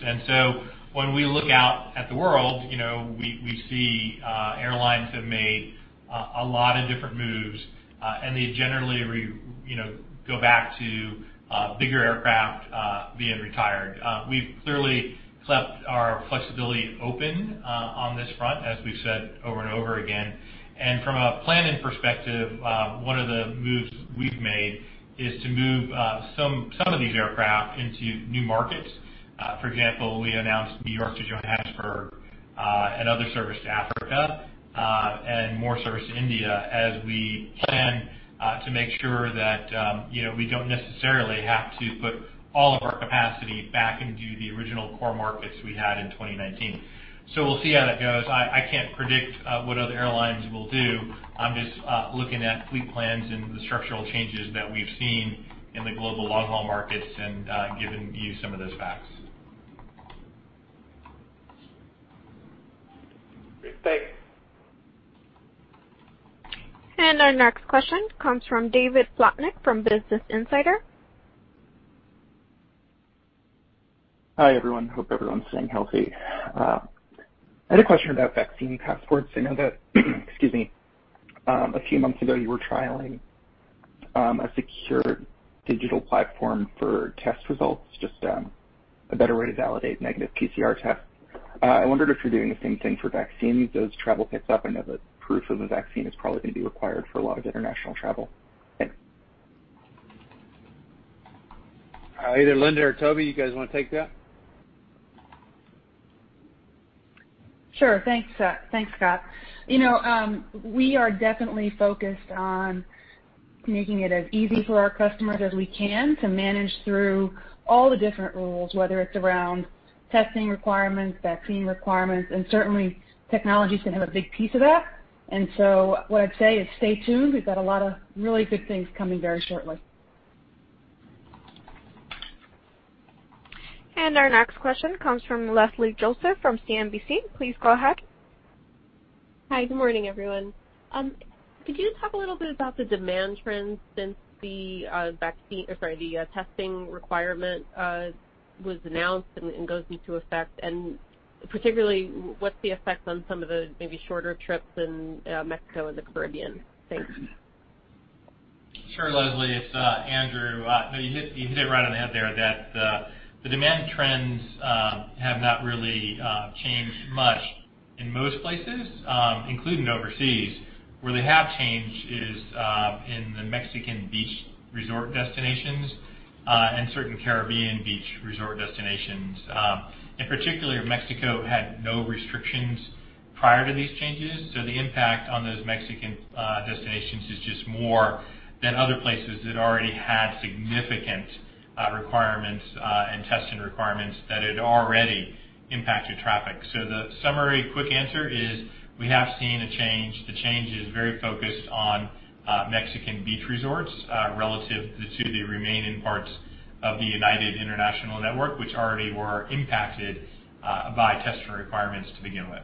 When we look out at the world, we see airlines have made a lot of different moves, and they generally go back to bigger aircraft being retired. We've clearly kept our flexibility open on this front, as we've said over and over again. From a planning perspective, one of the moves we've made is to move some of these aircraft into new markets. For example, we announced New York to Johannesburg and other service to Africa and more service to India as we can to make sure that we don't necessarily have to put all of our capacity back into the original core markets we had in 2019. We'll see how that goes. I can't predict what other airlines will do. I'm just looking at fleet plans and the structural changes that we've seen in the global long-haul markets and giving you some of those facts. Great. Thanks. Our next question comes from David Slotnick from Business Insider. Hi, everyone. Hope everyone's staying healthy. I had a question about vaccine passports. I know that, excuse me, a few months ago, you were trialing a secure digital platform for test results, just a better way to validate negative PCR tests. I wondered if you're doing the same thing for vaccines as travel picks up. I know that proof of a vaccine is probably going to be required for a lot of international travel. Thanks. Either Linda or Toby, you guys want to take that? Sure. Thanks, Scott. We are definitely focused on making it as easy for our customers as we can to manage through all the different rules, whether it's around testing requirements, vaccine requirements, certainly technology's going to have a big piece of that. What I'd say is stay tuned. We've got a lot of really good things coming very shortly. Our next question comes from Leslie Josephs from CNBC. Please go ahead. Hi. Good morning, everyone. Could you talk a little bit about the demand trends since the testing requirement was announced and goes into effect, and particularly what's the effect on some of the maybe shorter trips in Mexico and the Caribbean? Thanks. Sure, Leslie, it's Andrew. You hit it right on the head there, that the demand trends have not really changed much. In most places, including overseas. Where they have changed is in the Mexican beach resort destinations, and certain Caribbean beach resort destinations. In particular, Mexico had no restrictions prior to these changes, the impact on those Mexican destinations is just more than other places that already had significant requirements and testing requirements that had already impacted traffic. The summary quick answer is we have seen a change. The change is very focused on Mexican beach resorts relative to the remaining parts of the United international network, which already were impacted by testing requirements to begin with.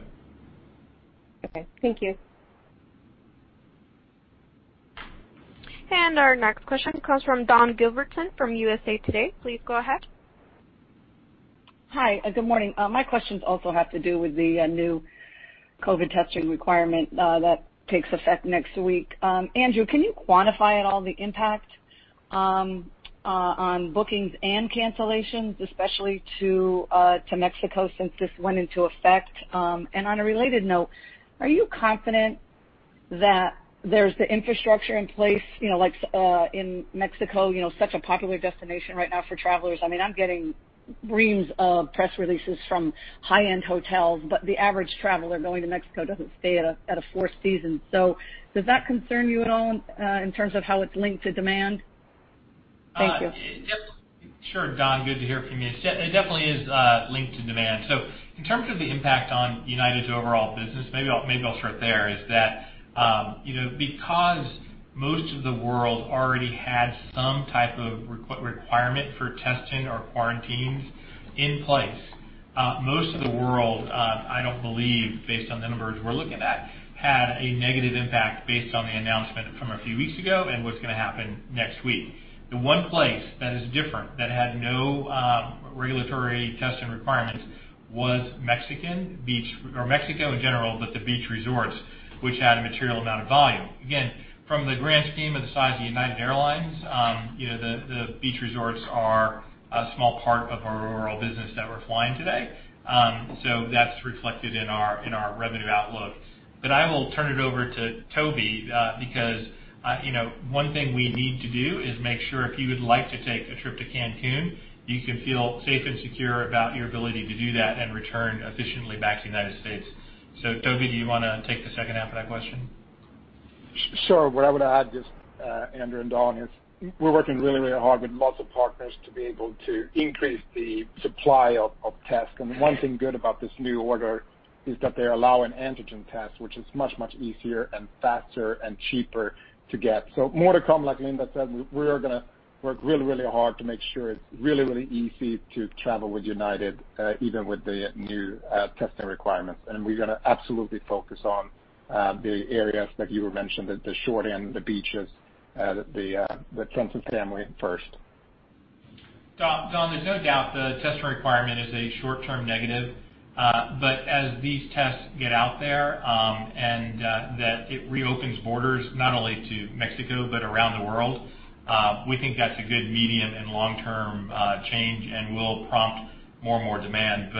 Okay. Thank you. Our next question comes from Dawn Gilbertson from USA Today. Please go ahead. Hi. Good morning. My questions also have to do with the new COVID testing requirement that takes effect next week. Andrew, can you quantify at all the impact on bookings and cancellations, especially to Mexico, since this went into effect? On a related note, are you confident that there's the infrastructure in place, like in Mexico, such a popular destination right now for travelers? I'm getting reams of press releases from high-end hotels, the average traveler going to Mexico doesn't stay at a Four Seasons. Does that concern you at all in terms of how it's linked to demand? Thank you. Dawn, good to hear from you. It definitely is linked to demand. In terms of the impact on United's overall business, maybe I'll start there, is that because most of the world already had some type of requirement for testing or quarantines in place, most of the world, I don't believe, based on the numbers we're looking at, had a negative impact based on the announcement from a few weeks ago and what's going to happen next week. The one place that is different, that had no regulatory testing requirements, was Mexico in general, but the beach resorts, which had a material amount of volume. From the grand scheme of the size of United Airlines, the beach resorts are a small part of our overall business that we're flying today. That's reflected in our revenue outlook. I will turn it over to Toby, because one thing we need to do is make sure if you would like to take a trip to Cancun, you can feel safe and secure about your ability to do that and return efficiently back to the United States. Toby, do you want to take the second half of that question? What I would add just, Andrew and Dawn, is we're working really hard with lots of partners to be able to increase the supply of tests. One thing good about this new order is that they're allowing antigen tests, which is much easier and faster and cheaper to get. More to come, like Linda said. We are going to work really hard to make sure it's really easy to travel with United, even with the new testing requirements. We're going to absolutely focus on the areas that you mentioned, the sun and sand, the beaches, the family first. Dawn, there's no doubt the testing requirement is a short-term negative. As these tests get out there, and that it reopens borders, not only to Mexico, but around the world, we think that's a good medium and long-term change and will prompt more and more demand.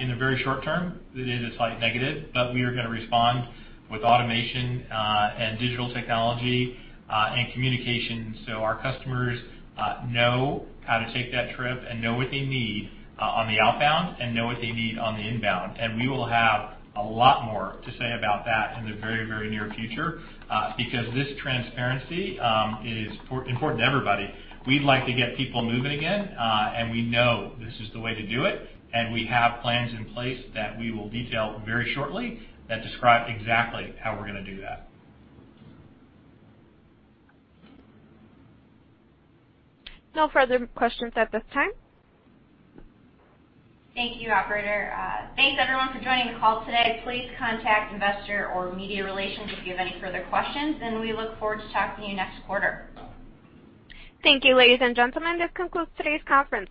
In the very short term, it is a slight negative, but we are going to respond with automation and digital technology and communication so our customers know how to take that trip and know what they need on the outbound and know what they need on the inbound. We will have a lot more to say about that in the very near future, because this transparency is important to everybody. We'd like to get people moving again, and we know this is the way to do it, and we have plans in place that we will detail very shortly that describe exactly how we're going to do that. No further questions at this time. Thank you, operator. Thanks, everyone, for joining the call today. Please contact investor or media relations if you have any further questions. We look forward to talking to you next quarter. Thank you, ladies and gentlemen. This concludes today's conference.